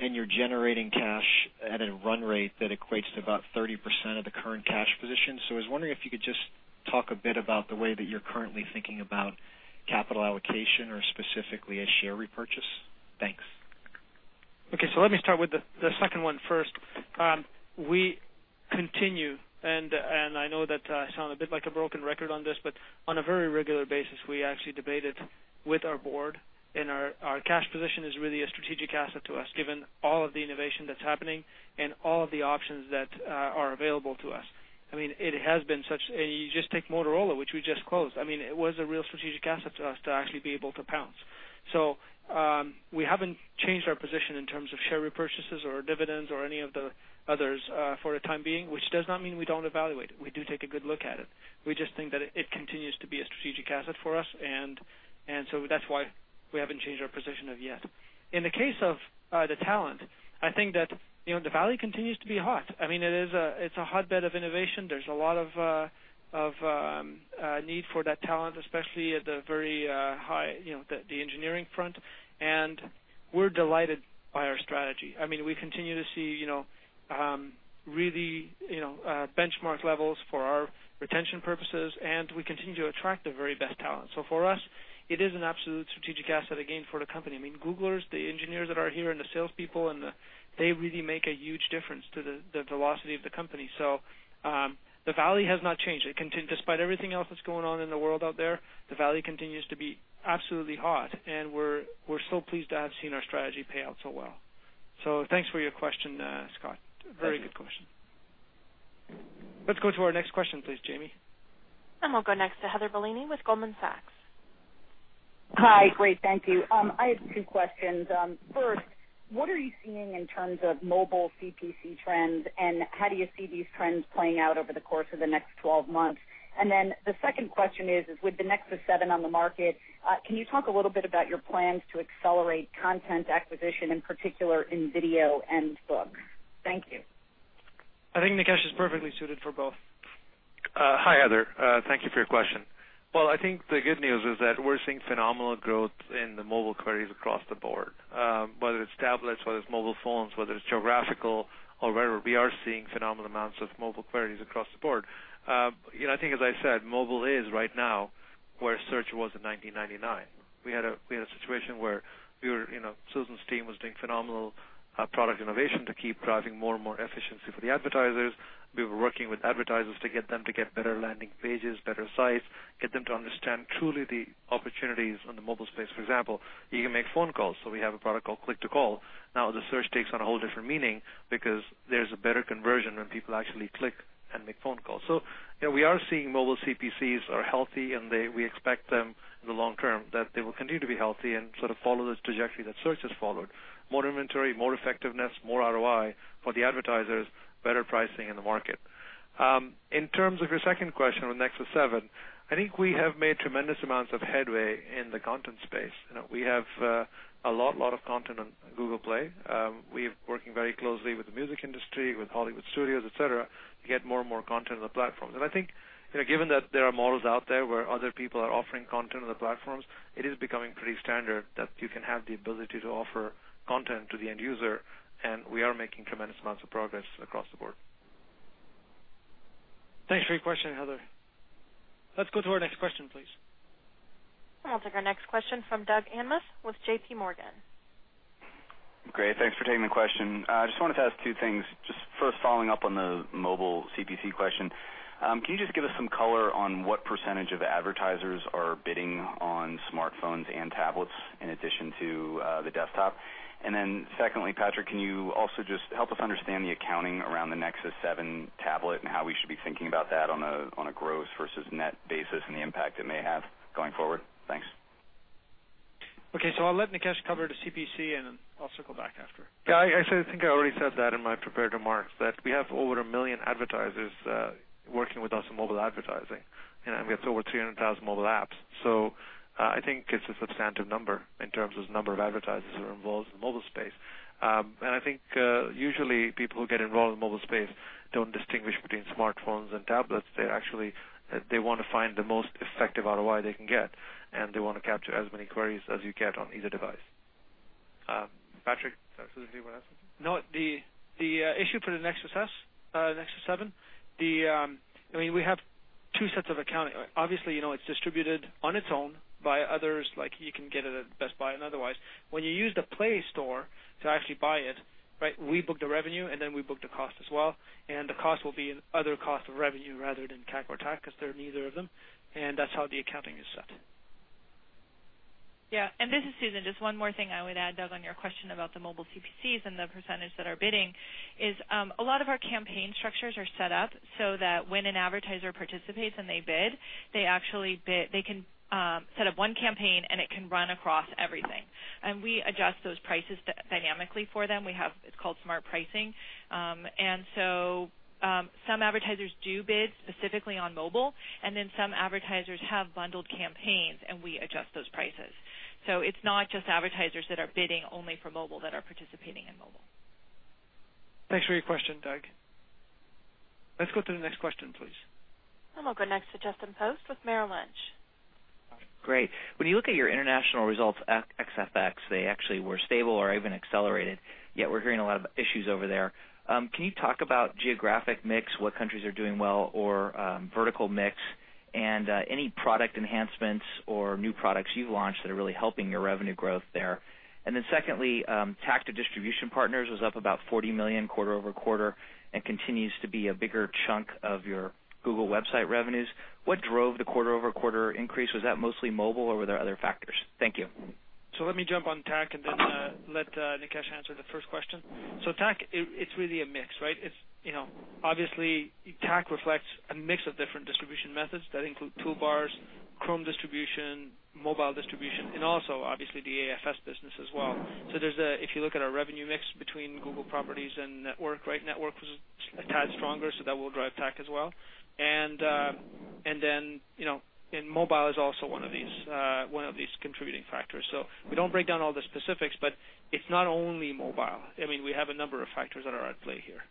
And you're generating cash at a run rate that equates to about 30% of the current cash position. So I was wondering if you could just talk a bit about the way that you're currently thinking about capital allocation or specifically a share repurchase. Thanks. Okay. So let me start with the second one first. We continue, and I know that I sound a bit like a broken record on this, but on a very regular basis, we actually debated with our board, and our cash position is really a strategic asset to us given all of the innovation that's happening and all of the options that are available to us. I mean, it has been such, and you just take Motorola, which we just closed. I mean, it was a real strategic asset to us to actually be able to pounce. So we haven't changed our position in terms of share repurchases or dividends or any of the others for the time being, which does not mean we don't evaluate. We do take a good look at it. We just think that it continues to be a strategic asset for us. That's why we haven't changed our position on that yet. In the case of the talent, I think that the Valley continues to be hot. I mean, it's a hotbed of innovation. There's a lot of need for that talent, especially at the very high, the engineering front. We're delighted by our strategy. I mean, we continue to see really benchmark levels for our retention purposes, and we continue to attract the very best talent. For us, it is an absolute strategic asset, again, for the company. I mean, Googlers, the engineers that are here and the salespeople, they really make a huge difference to the velocity of the company. The Valley has not changed. Despite everything else that's going on in the world out there, the Valley continues to be absolutely hot. We're so pleased to have seen our strategy pay out so well. So thanks for your question, Scott. Very good question. Let's go to our next question, please, Jamie. We'll go next to Heather Bellini with Goldman Sachs. Hi. Great. Thank you. I have two questions. First, what are you seeing in terms of mobile CPC trends, and how do you see these trends playing out over the course of the next 12 months? And then the second question is, with the Nexus 7 on the market, can you talk a little bit about your plans to accelerate content acquisition, in particular in video and books? Thank you. I think Nikesh is perfectly suited for both. Hi, Heather. Thank you for your question. Well, I think the good news is that we're seeing phenomenal growth in the mobile queries across the board, whether it's tablets, whether it's mobile phones, whether it's geographical, or wherever. We are seeing phenomenal amounts of mobile queries across the board. I think, as I said, mobile is right now where search was in 1999. We had a situation where Susan's team was doing phenomenal product innovation to keep driving more and more efficiency for the advertisers. We were working with advertisers to get them to get better landing pages, better sites, get them to understand truly the opportunities in the mobile space. For example, you can make phone calls. So we have a product called Click-to-Call. Now, the search takes on a whole different meaning because there's a better conversion when people actually click and make phone calls. So we are seeing mobile CPCs are healthy, and we expect them in the long term that they will continue to be healthy and sort of follow the trajectory that search has followed: more inventory, more effectiveness, more ROI for the advertisers, better pricing in the market. In terms of your second question, with Nexus 7, I think we have made tremendous amounts of headway in the content space. We have a lot, lot of content on Google Play. We're working very closely with the music industry, with Hollywood studios, etc., to get more and more content on the platforms. And I think given that there are models out there where other people are offering content on the platforms, it is becoming pretty standard that you can have the ability to offer content to the end user. And we are making tremendous amounts of progress across the board. Thanks for your question, Heather. Let's go to our next question, please. We'll take our next question from Doug Anmuth with JPMorgan. Great. Thanks for taking the question. I just wanted to ask two things. Just first, following up on the mobile CPC question, can you just give us some color on what percentage of advertisers are bidding on smartphones and tablets in addition to the desktop? And then secondly, Patrick, can you also just help us understand the accounting around the Nexus 7 tablet and how we should be thinking about that on a gross versus net basis and the impact it may have going forward? Thanks. Okay, so I'll let Nikesh cover the CPC, and then I'll circle back after. Yeah. I think I already said that in my prepared remarks that we have over a million advertisers working with us in mobile advertising. And we have over 300,000 mobile apps. So I think it's a substantive number in terms of the number of advertisers who are involved in the mobile space. And I think usually people who get involved in the mobile space don't distinguish between smartphones and tablets. They actually want to find the most effective ROI they can get, and they want to capture as many queries as you get on either device. Patrick, did you want to ask something? No. The issue for the Nexus 7, I mean, we have two sets of accounting. Obviously, it's distributed on its own by others. You can get it at Best Buy and otherwise. When you use the Play Store to actually buy it, we book the revenue, and then we book the cost as well. And the cost will be another cost of revenue rather than CAC or TAC because they're neither of them. And that's how the accounting is set. Yeah. And this is Susan. Just one more thing I would add, Doug, on your question about the mobile CPCs and the percentage that are bidding. A lot of our campaign structures are set up so that when an advertiser participates and they bid, they can set up one campaign, and it can run across everything. And we adjust those prices dynamically for them. It's called Smart Pricing. And so some advertisers do bid specifically on mobile, and then some advertisers have bundled campaigns, and we adjust those prices. So it's not just advertisers that are bidding only for mobile that are participating in mobile. Thanks for your question, Doug. Let's go to the next question, please. We'll go next to Justin Post with Merrill Lynch. Great. When you look at your international results, FX, they actually were stable or even accelerated. Yet we're hearing a lot of issues over there. Can you talk about geographic mix, what countries are doing well, or vertical mix, and any product enhancements or new products you've launched that are really helping your revenue growth there? And then secondly, TAC to distribution partners was up about $40 million quarter over quarter and continues to be a bigger chunk of your Google website revenues. What drove the quarter over quarter increase? Was that mostly mobile, or were there other factors? Thank you. So let me jump on TAC and then let Nikesh answer the first question. So TAC, it's really a mix, right? Obviously, TAC reflects a mix of different distribution methods that include toolbars, Chrome distribution, mobile distribution, and also, obviously, the AFS business as well. So if you look at our revenue mix between Google properties and network, network was a tad stronger, so that will drive TAC as well. And then mobile is also one of these contributing factors. So we don't break down all the specifics, but it's not only mobile. I mean, we have a number of factors that are at play here.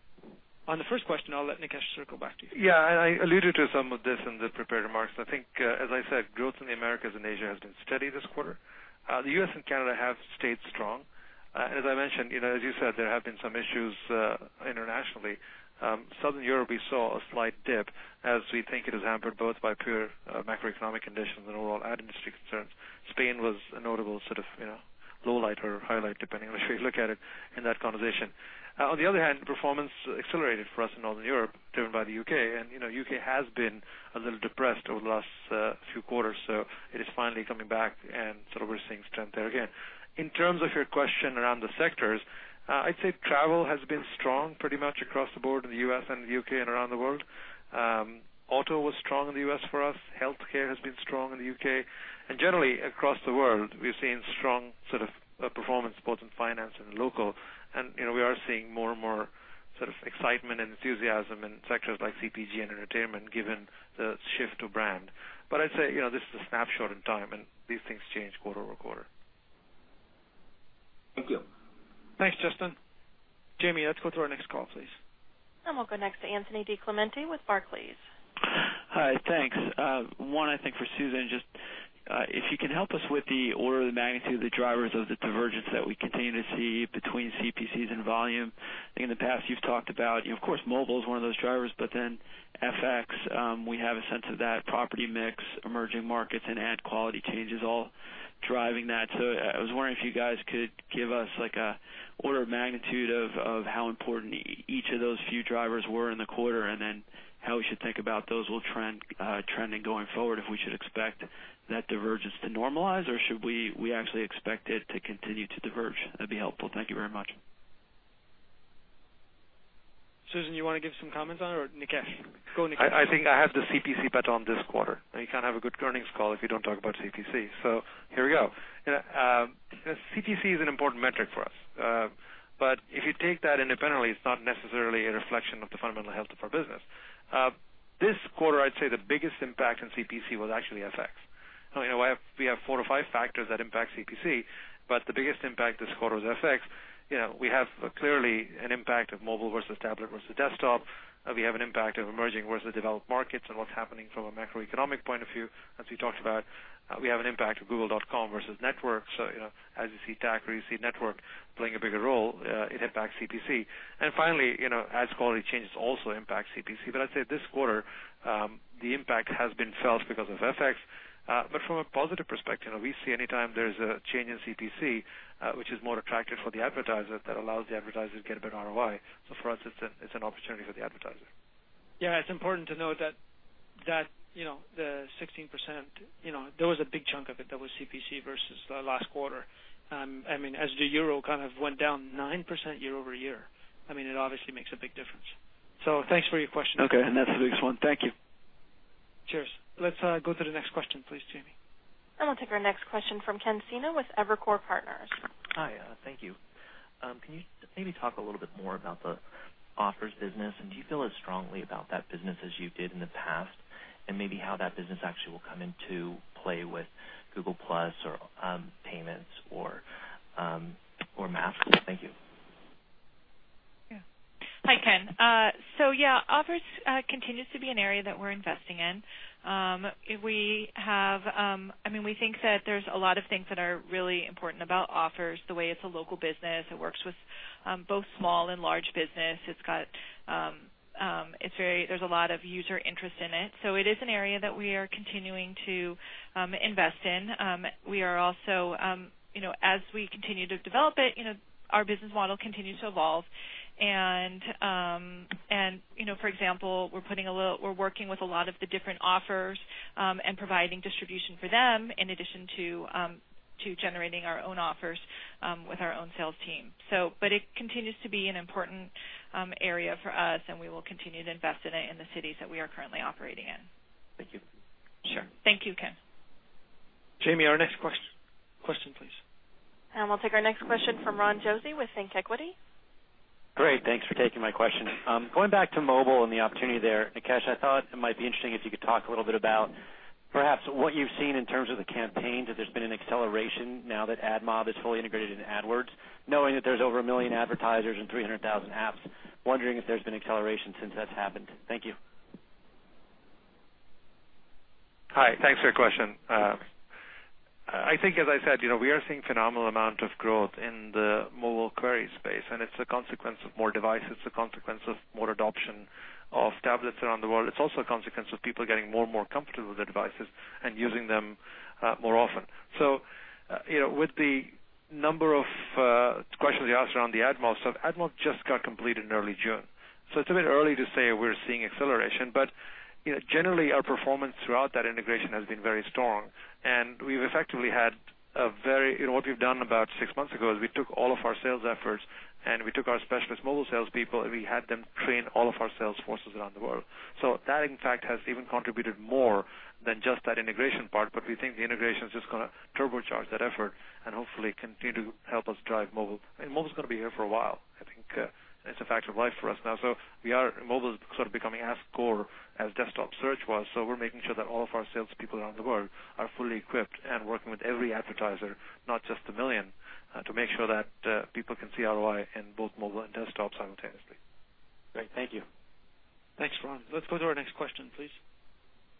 On the first question, I'll let Nikesh circle back to you. Yeah, and I alluded to some of this in the prepared remarks. I think, as I said, growth in the Americas and Asia has been steady this quarter. The US and Canada have stayed strong, and as I mentioned, as you said, there have been some issues internationally. Southern Europe, we saw a slight dip as we think it is hampered both by pure macroeconomic conditions and overall ad industry concerns. Spain was a notable sort of low light or high light, depending on how you look at it in that conversation. On the other hand, performance accelerated for us in Northern Europe, driven by the UK, and the UK has been a little depressed over the last few quarters, so it is finally coming back, and so we're seeing strength there again. In terms of your question around the sectors, I'd say travel has been strong pretty much across the board in the U.S. and the U.K. and around the world. Auto was strong in the U.S. for us. Healthcare has been strong in the U.K. And generally, across the world, we've seen strong sort of performance, both in finance and local. And we are seeing more and more sort of excitement and enthusiasm in sectors like CPG and entertainment given the shift to brand. But I'd say this is a snapshot in time, and these things change quarter over quarter. Thank you. Thanks, Justin. Jamie, let's go to our next call, please. We'll go next to Anthony DiClemente with Barclays. Hi. Thanks. One, I think for Susan, just if you can help us with the order of the magnitude of the drivers of the divergence that we continue to see between CPCs and volume. I think in the past you've talked about, of course, mobile is one of those drivers, but then FX, we have a sense of that, product mix, emerging markets, and ad quality changes all driving that. So I was wondering if you guys could give us an order of magnitude of how important each of those few drivers were in the quarter and then how we should think about those trending going forward. If we should expect that divergence to normalize, or should we actually expect it to continue to diverge? That'd be helpful. Thank you very much. Susan, you want to give some comments on it, or Nikesh? Go Nikesh. I think I have the CPC pattern this quarter. You can't have a good earnings call if you don't talk about CPC. So here we go. CPC is an important metric for us. But if you take that independently, it's not necessarily a reflection of the fundamental health of our business. This quarter, I'd say the biggest impact in CPC was actually FX. We have four or five factors that impact CPC, but the biggest impact this quarter was FX. We have clearly an impact of mobile versus tablet versus desktop. We have an impact of emerging versus developed markets and what's happening from a macroeconomic point of view, as we talked about. We have an impact of Google.com versus network. So as you see TAC or you see network playing a bigger role, it impacts CPC. And finally, ads quality changes also impact CPC. But I'd say this quarter, the impact has been felt because of FX. But from a positive perspective, we see anytime there's a change in CPC, which is more attractive for the advertiser that allows the advertiser to get a better ROI. So for us, it's an opportunity for the advertiser. Yeah. It's important to note that the 16%. There was a big chunk of it that was CPC versus last quarter. I mean, as the euro kind of went down 9% year-over-year, I mean, it obviously makes a big difference. So thanks for your question. Okay. And that's the biggest one. Thank you. Cheers. Let's go to the next question, please, Jamie. We'll take our next question from Ken Sena with Evercore Partners. Hi. Thank you. Can you maybe talk a little bit more about the offers business, and do you feel as strongly about that business as you did in the past, and maybe how that business actually will come into play with Google+ or payments or Maps? Thank you. Yeah. Hi, Ken. So yeah, offers continue to be an area that we're investing in. I mean, we think that there's a lot of things that are really important about offers, the way it's a local business. It works with both small and large business. There's a lot of user interest in it. So it is an area that we are continuing to invest in. We are also, as we continue to develop it, our business model continues to evolve. And for example, we're working with a lot of the different offers and providing distribution for them in addition to generating our own offers with our own sales team. But it continues to be an important area for us, and we will continue to invest in it in the cities that we are currently operating in. Thank you. Sure. Thank you, Ken. Jamie, our next question, please. We'll take our next question from Ron Josey with ThinkEquity. Great. Thanks for taking my question. Going back to mobile and the opportunity there, Nikesh, I thought it might be interesting if you could talk a little bit about perhaps what you've seen in terms of the campaigns. If there's been an acceleration now that AdMob is fully integrated in AdWords, knowing that there's over a million advertisers and 300,000 apps, wondering if there's been acceleration since that's happened. Thank you. Hi. Thanks for your question. I think, as I said, we are seeing a phenomenal amount of growth in the mobile query space, and it's a consequence of more devices. It's a consequence of more adoption of tablets around the world. It's also a consequence of people getting more and more comfortable with their devices and using them more often, so with the number of questions you asked around the AdMob stuff, AdMob just got completed in early June, so it's a bit early to say we're seeing acceleration, but generally, our performance throughout that integration has been very strong, and what we've done about six months ago is we took all of our sales efforts, and we took our specialist mobile salespeople, and we had them train all of our sales forces around the world. So that, in fact, has even contributed more than just that integration part. But we think the integration is just going to turbocharge that effort and hopefully continue to help us drive mobile. I mean, mobile is going to be here for a while. I think it's a fact of life for us now. So mobile is sort of becoming as core as desktop search was. So we're making sure that all of our salespeople around the world are fully equipped and working with every advertiser, not just the million, to make sure that people can see ROI in both mobile and desktop simultaneously. Great. Thank you. Thanks, Ron. Let's go to our next question, please.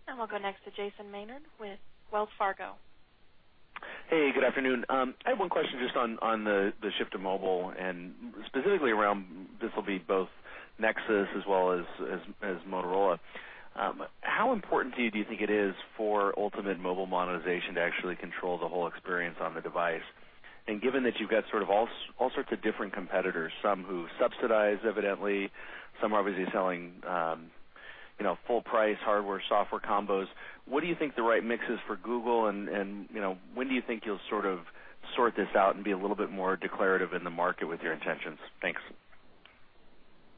We'll go next to Jason Maynard with Wells Fargo. Hey, good afternoon. I have one question just on the shift to mobile and specifically around this will be both Nexus as well as Motorola. How important do you think it is for ultimate mobile monetization to actually control the whole experience on the device? And given that you've got sort of all sorts of different competitors, some who subsidize evidently, some are obviously selling full-price hardware-software combos, what do you think the right mix is for Google, and when do you think you'll sort of sort this out and be a little bit more declarative in the market with your intentions? Thanks.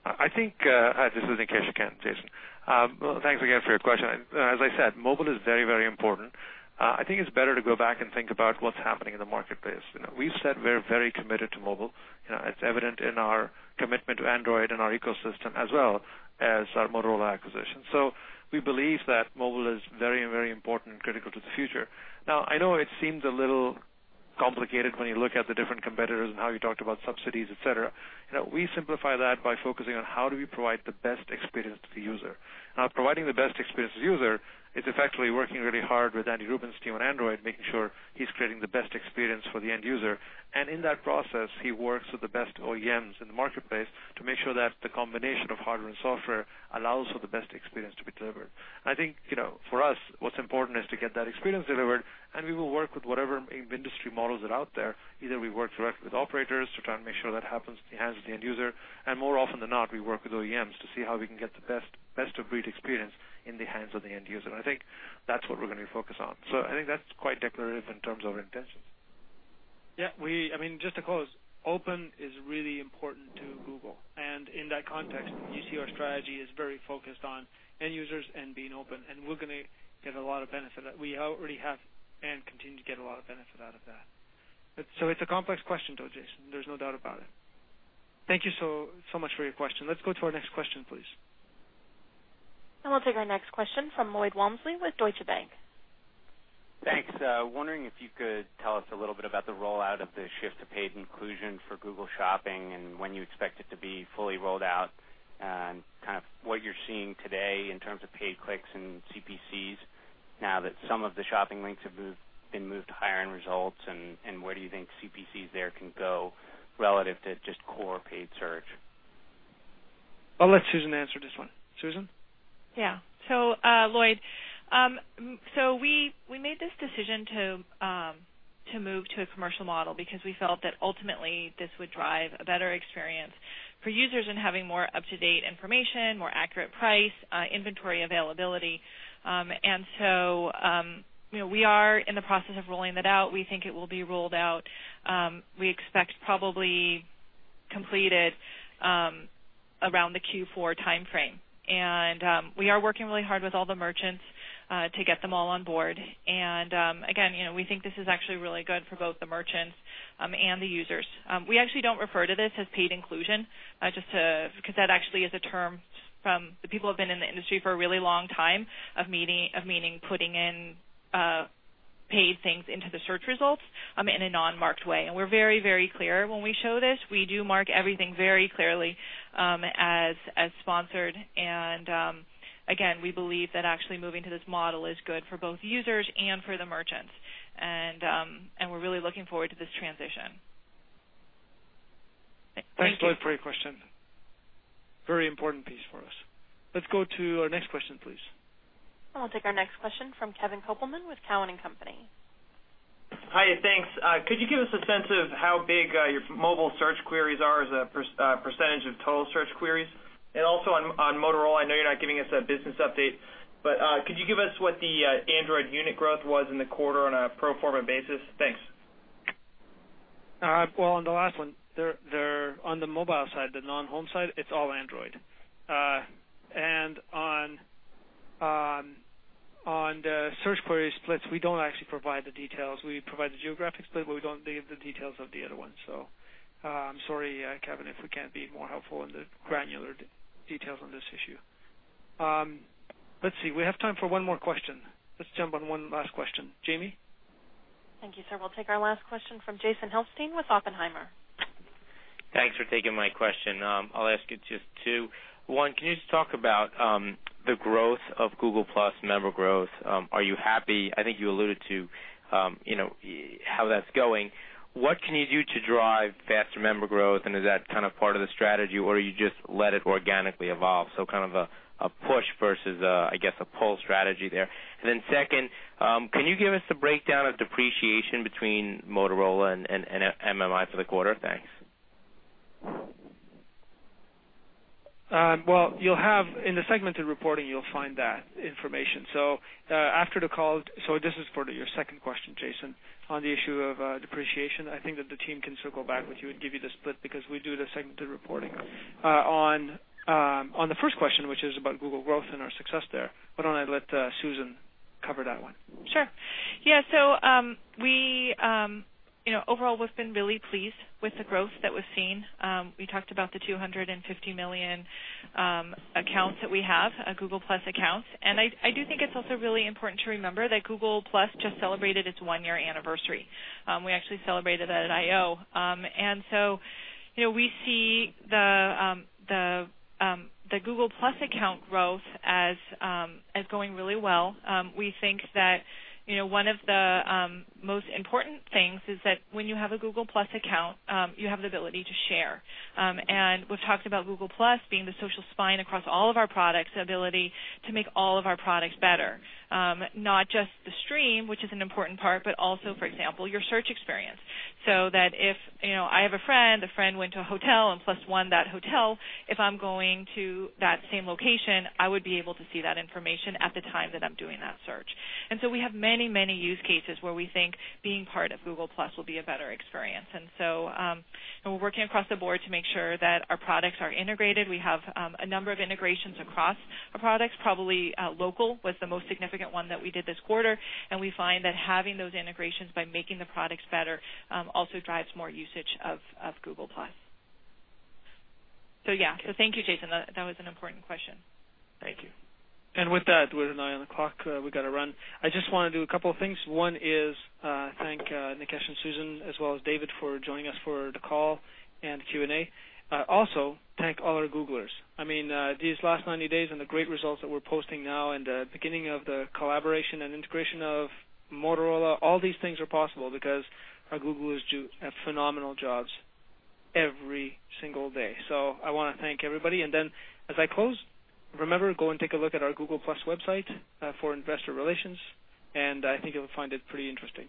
I think this is Nikesh again, Jason. Thanks again for your question. As I said, mobile is very, very important. I think it's better to go back and think about what's happening in the marketplace. We've said we're very committed to mobile. It's evident in our commitment to Android and our ecosystem as well as our Motorola acquisition. So we believe that mobile is very and very important and critical to the future. Now, I know it seems a little complicated when you look at the different competitors and how you talked about subsidies, etc. We simplify that by focusing on how do we provide the best experience to the user. Now, providing the best experience to the user is effectively working really hard with Andy Rubin's team on Android, making sure he's creating the best experience for the end user. And in that process, he works with the best OEMs in the marketplace to make sure that the combination of hardware and software allows for the best experience to be delivered. And I think for us, what's important is to get that experience delivered. And we will work with whatever industry models are out there. Either we work directly with operators to try and make sure that happens in the hands of the end user. And more often than not, we work with OEMs to see how we can get the best-of-breed experience in the hands of the end user. And I think that's what we're going to focus on. So I think that's quite declarative in terms of our intentions. Yeah. I mean, just to close, open is really important to Google. And in that context, you see our strategy is very focused on end users and being open. And we're going to get a lot of benefit that we already have and continue to get a lot of benefit out of that. So it's a complex question, though, Jason. There's no doubt about it. Thank you so much for your question. Let's go to our next question, please. We'll take our next question from Lloyd Walmsley with Deutsche Bank. Thanks. Wondering if you could tell us a little bit about the rollout of the shift to paid inclusion for Google Shopping and when you expect it to be fully rolled out and kind of what you're seeing today in terms of paid clicks and CPCs now that some of the shopping links have been moved higher in results, and where do you think CPCs there can go relative to just core paid search? I'll let Susan answer this one. Susan? Yeah. So, Lloyd, so we made this decision to move to a commercial model because we felt that ultimately this would drive a better experience for users and having more up-to-date information, more accurate price, inventory availability. And so we are in the process of rolling that out. We think it will be rolled out. We expect probably completed around the Q4 time frame. And we are working really hard with all the merchants to get them all on board. And again, we think this is actually really good for both the merchants and the users. We actually don't refer to this as paid inclusion because that actually is a term from the people who have been in the industry for a really long time of meaning putting in paid things into the search results in a non-marked way. And we're very, very clear when we show this. We do mark everything very clearly as sponsored. And again, we believe that actually moving to this model is good for both users and for the merchants. And we're really looking forward to this transition. Thank you. Thanks, Lloyd. Thank you. For your question. Very important piece for us. Let's go to our next question, please. We'll take our next question from Kevin Kopelman with Cowen & Company. Hi. Thanks. Could you give us a sense of how big your mobile search queries are as a percentage of total search queries? And also on Motorola, I know you're not giving us a business update, but could you give us what the Android unit growth was in the quarter on a pro forma basis? Thanks. On the last one, on the mobile side, the non-home side, it's all Android. On the search query splits, we don't actually provide the details. We provide the geographic split, but we don't give the details of the other ones. So I'm sorry, Kevin, if we can't be more helpful in the granular details on this issue. Let's see. We have time for one more question. Let's jump on one last question. Jamie? Thank you, sir. We'll take our last question from Jason Helfstein with Oppenheimer. Thanks for taking my question. I'll ask it just two. One, can you just talk about the growth of Google+ member growth? Are you happy? I think you alluded to how that's going. What can you do to drive faster member growth? And is that kind of part of the strategy, or do you just let it organically evolve? So kind of a push versus, I guess, a pull strategy there. And then second, can you give us a breakdown of depreciation between Motorola and MMI for the quarter? Thanks. In the segmented reporting, you'll find that information. After the call, this is for your second question, Jason, on the issue of depreciation. I think that the team can circle back with you and give you the split because we do the segmented reporting on the first question, which is about Google growth and our success there. Why don't I let Susan cover that one? Sure. Yeah. So overall, we've been really pleased with the growth that we've seen. We talked about the 250 million accounts that we have, Google+ accounts, and I do think it's also really important to remember that Google+ just celebrated its one-year anniversary. We actually celebrated that at I/O, so we see the Google+ account growth as going really well. We think that one of the most important things is that when you have a Google+ account, you have the ability to share. We've talked about Google+ being the social spine across all of our products, the ability to make all of our products better, not just the stream, which is an important part, but also, for example, your search experience. So that if I have a friend, a friend went to a hotel, and plus one that hotel, if I'm going to that same location, I would be able to see that information at the time that I'm doing that search. And so we have many, many use cases where we think being part of Google+ will be a better experience. And so we're working across the board to make sure that our products are integrated. We have a number of integrations across our products. Probably local was the most significant one that we did this quarter. And we find that having those integrations by making the products better also drives more usage of Google+. So yeah. So thank you, Jason. That was an important question. Thank you. And with that, we're at 9:00 A.M. We got to run. I just want to do a couple of things. One is to thank Nikesh and Susan as well as David for joining us for the call and Q&A. Also, thank all our Googlers. I mean, these last 90 days and the great results that we're posting now and the beginning of the collaboration and integration of Motorola, all these things are possible because our Googlers do phenomenal jobs every single day. So I want to thank everybody. And then as I close, remember, go and take a look at our Google+ website for investor relations. And I think you'll find it pretty interesting.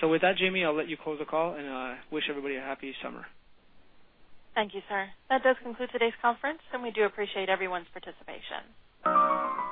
So with that, Jamie, I'll let you close the call. And I wish everybody a happy summer. Thank you, sir. That does conclude today's conference, and we do appreciate everyone's participation.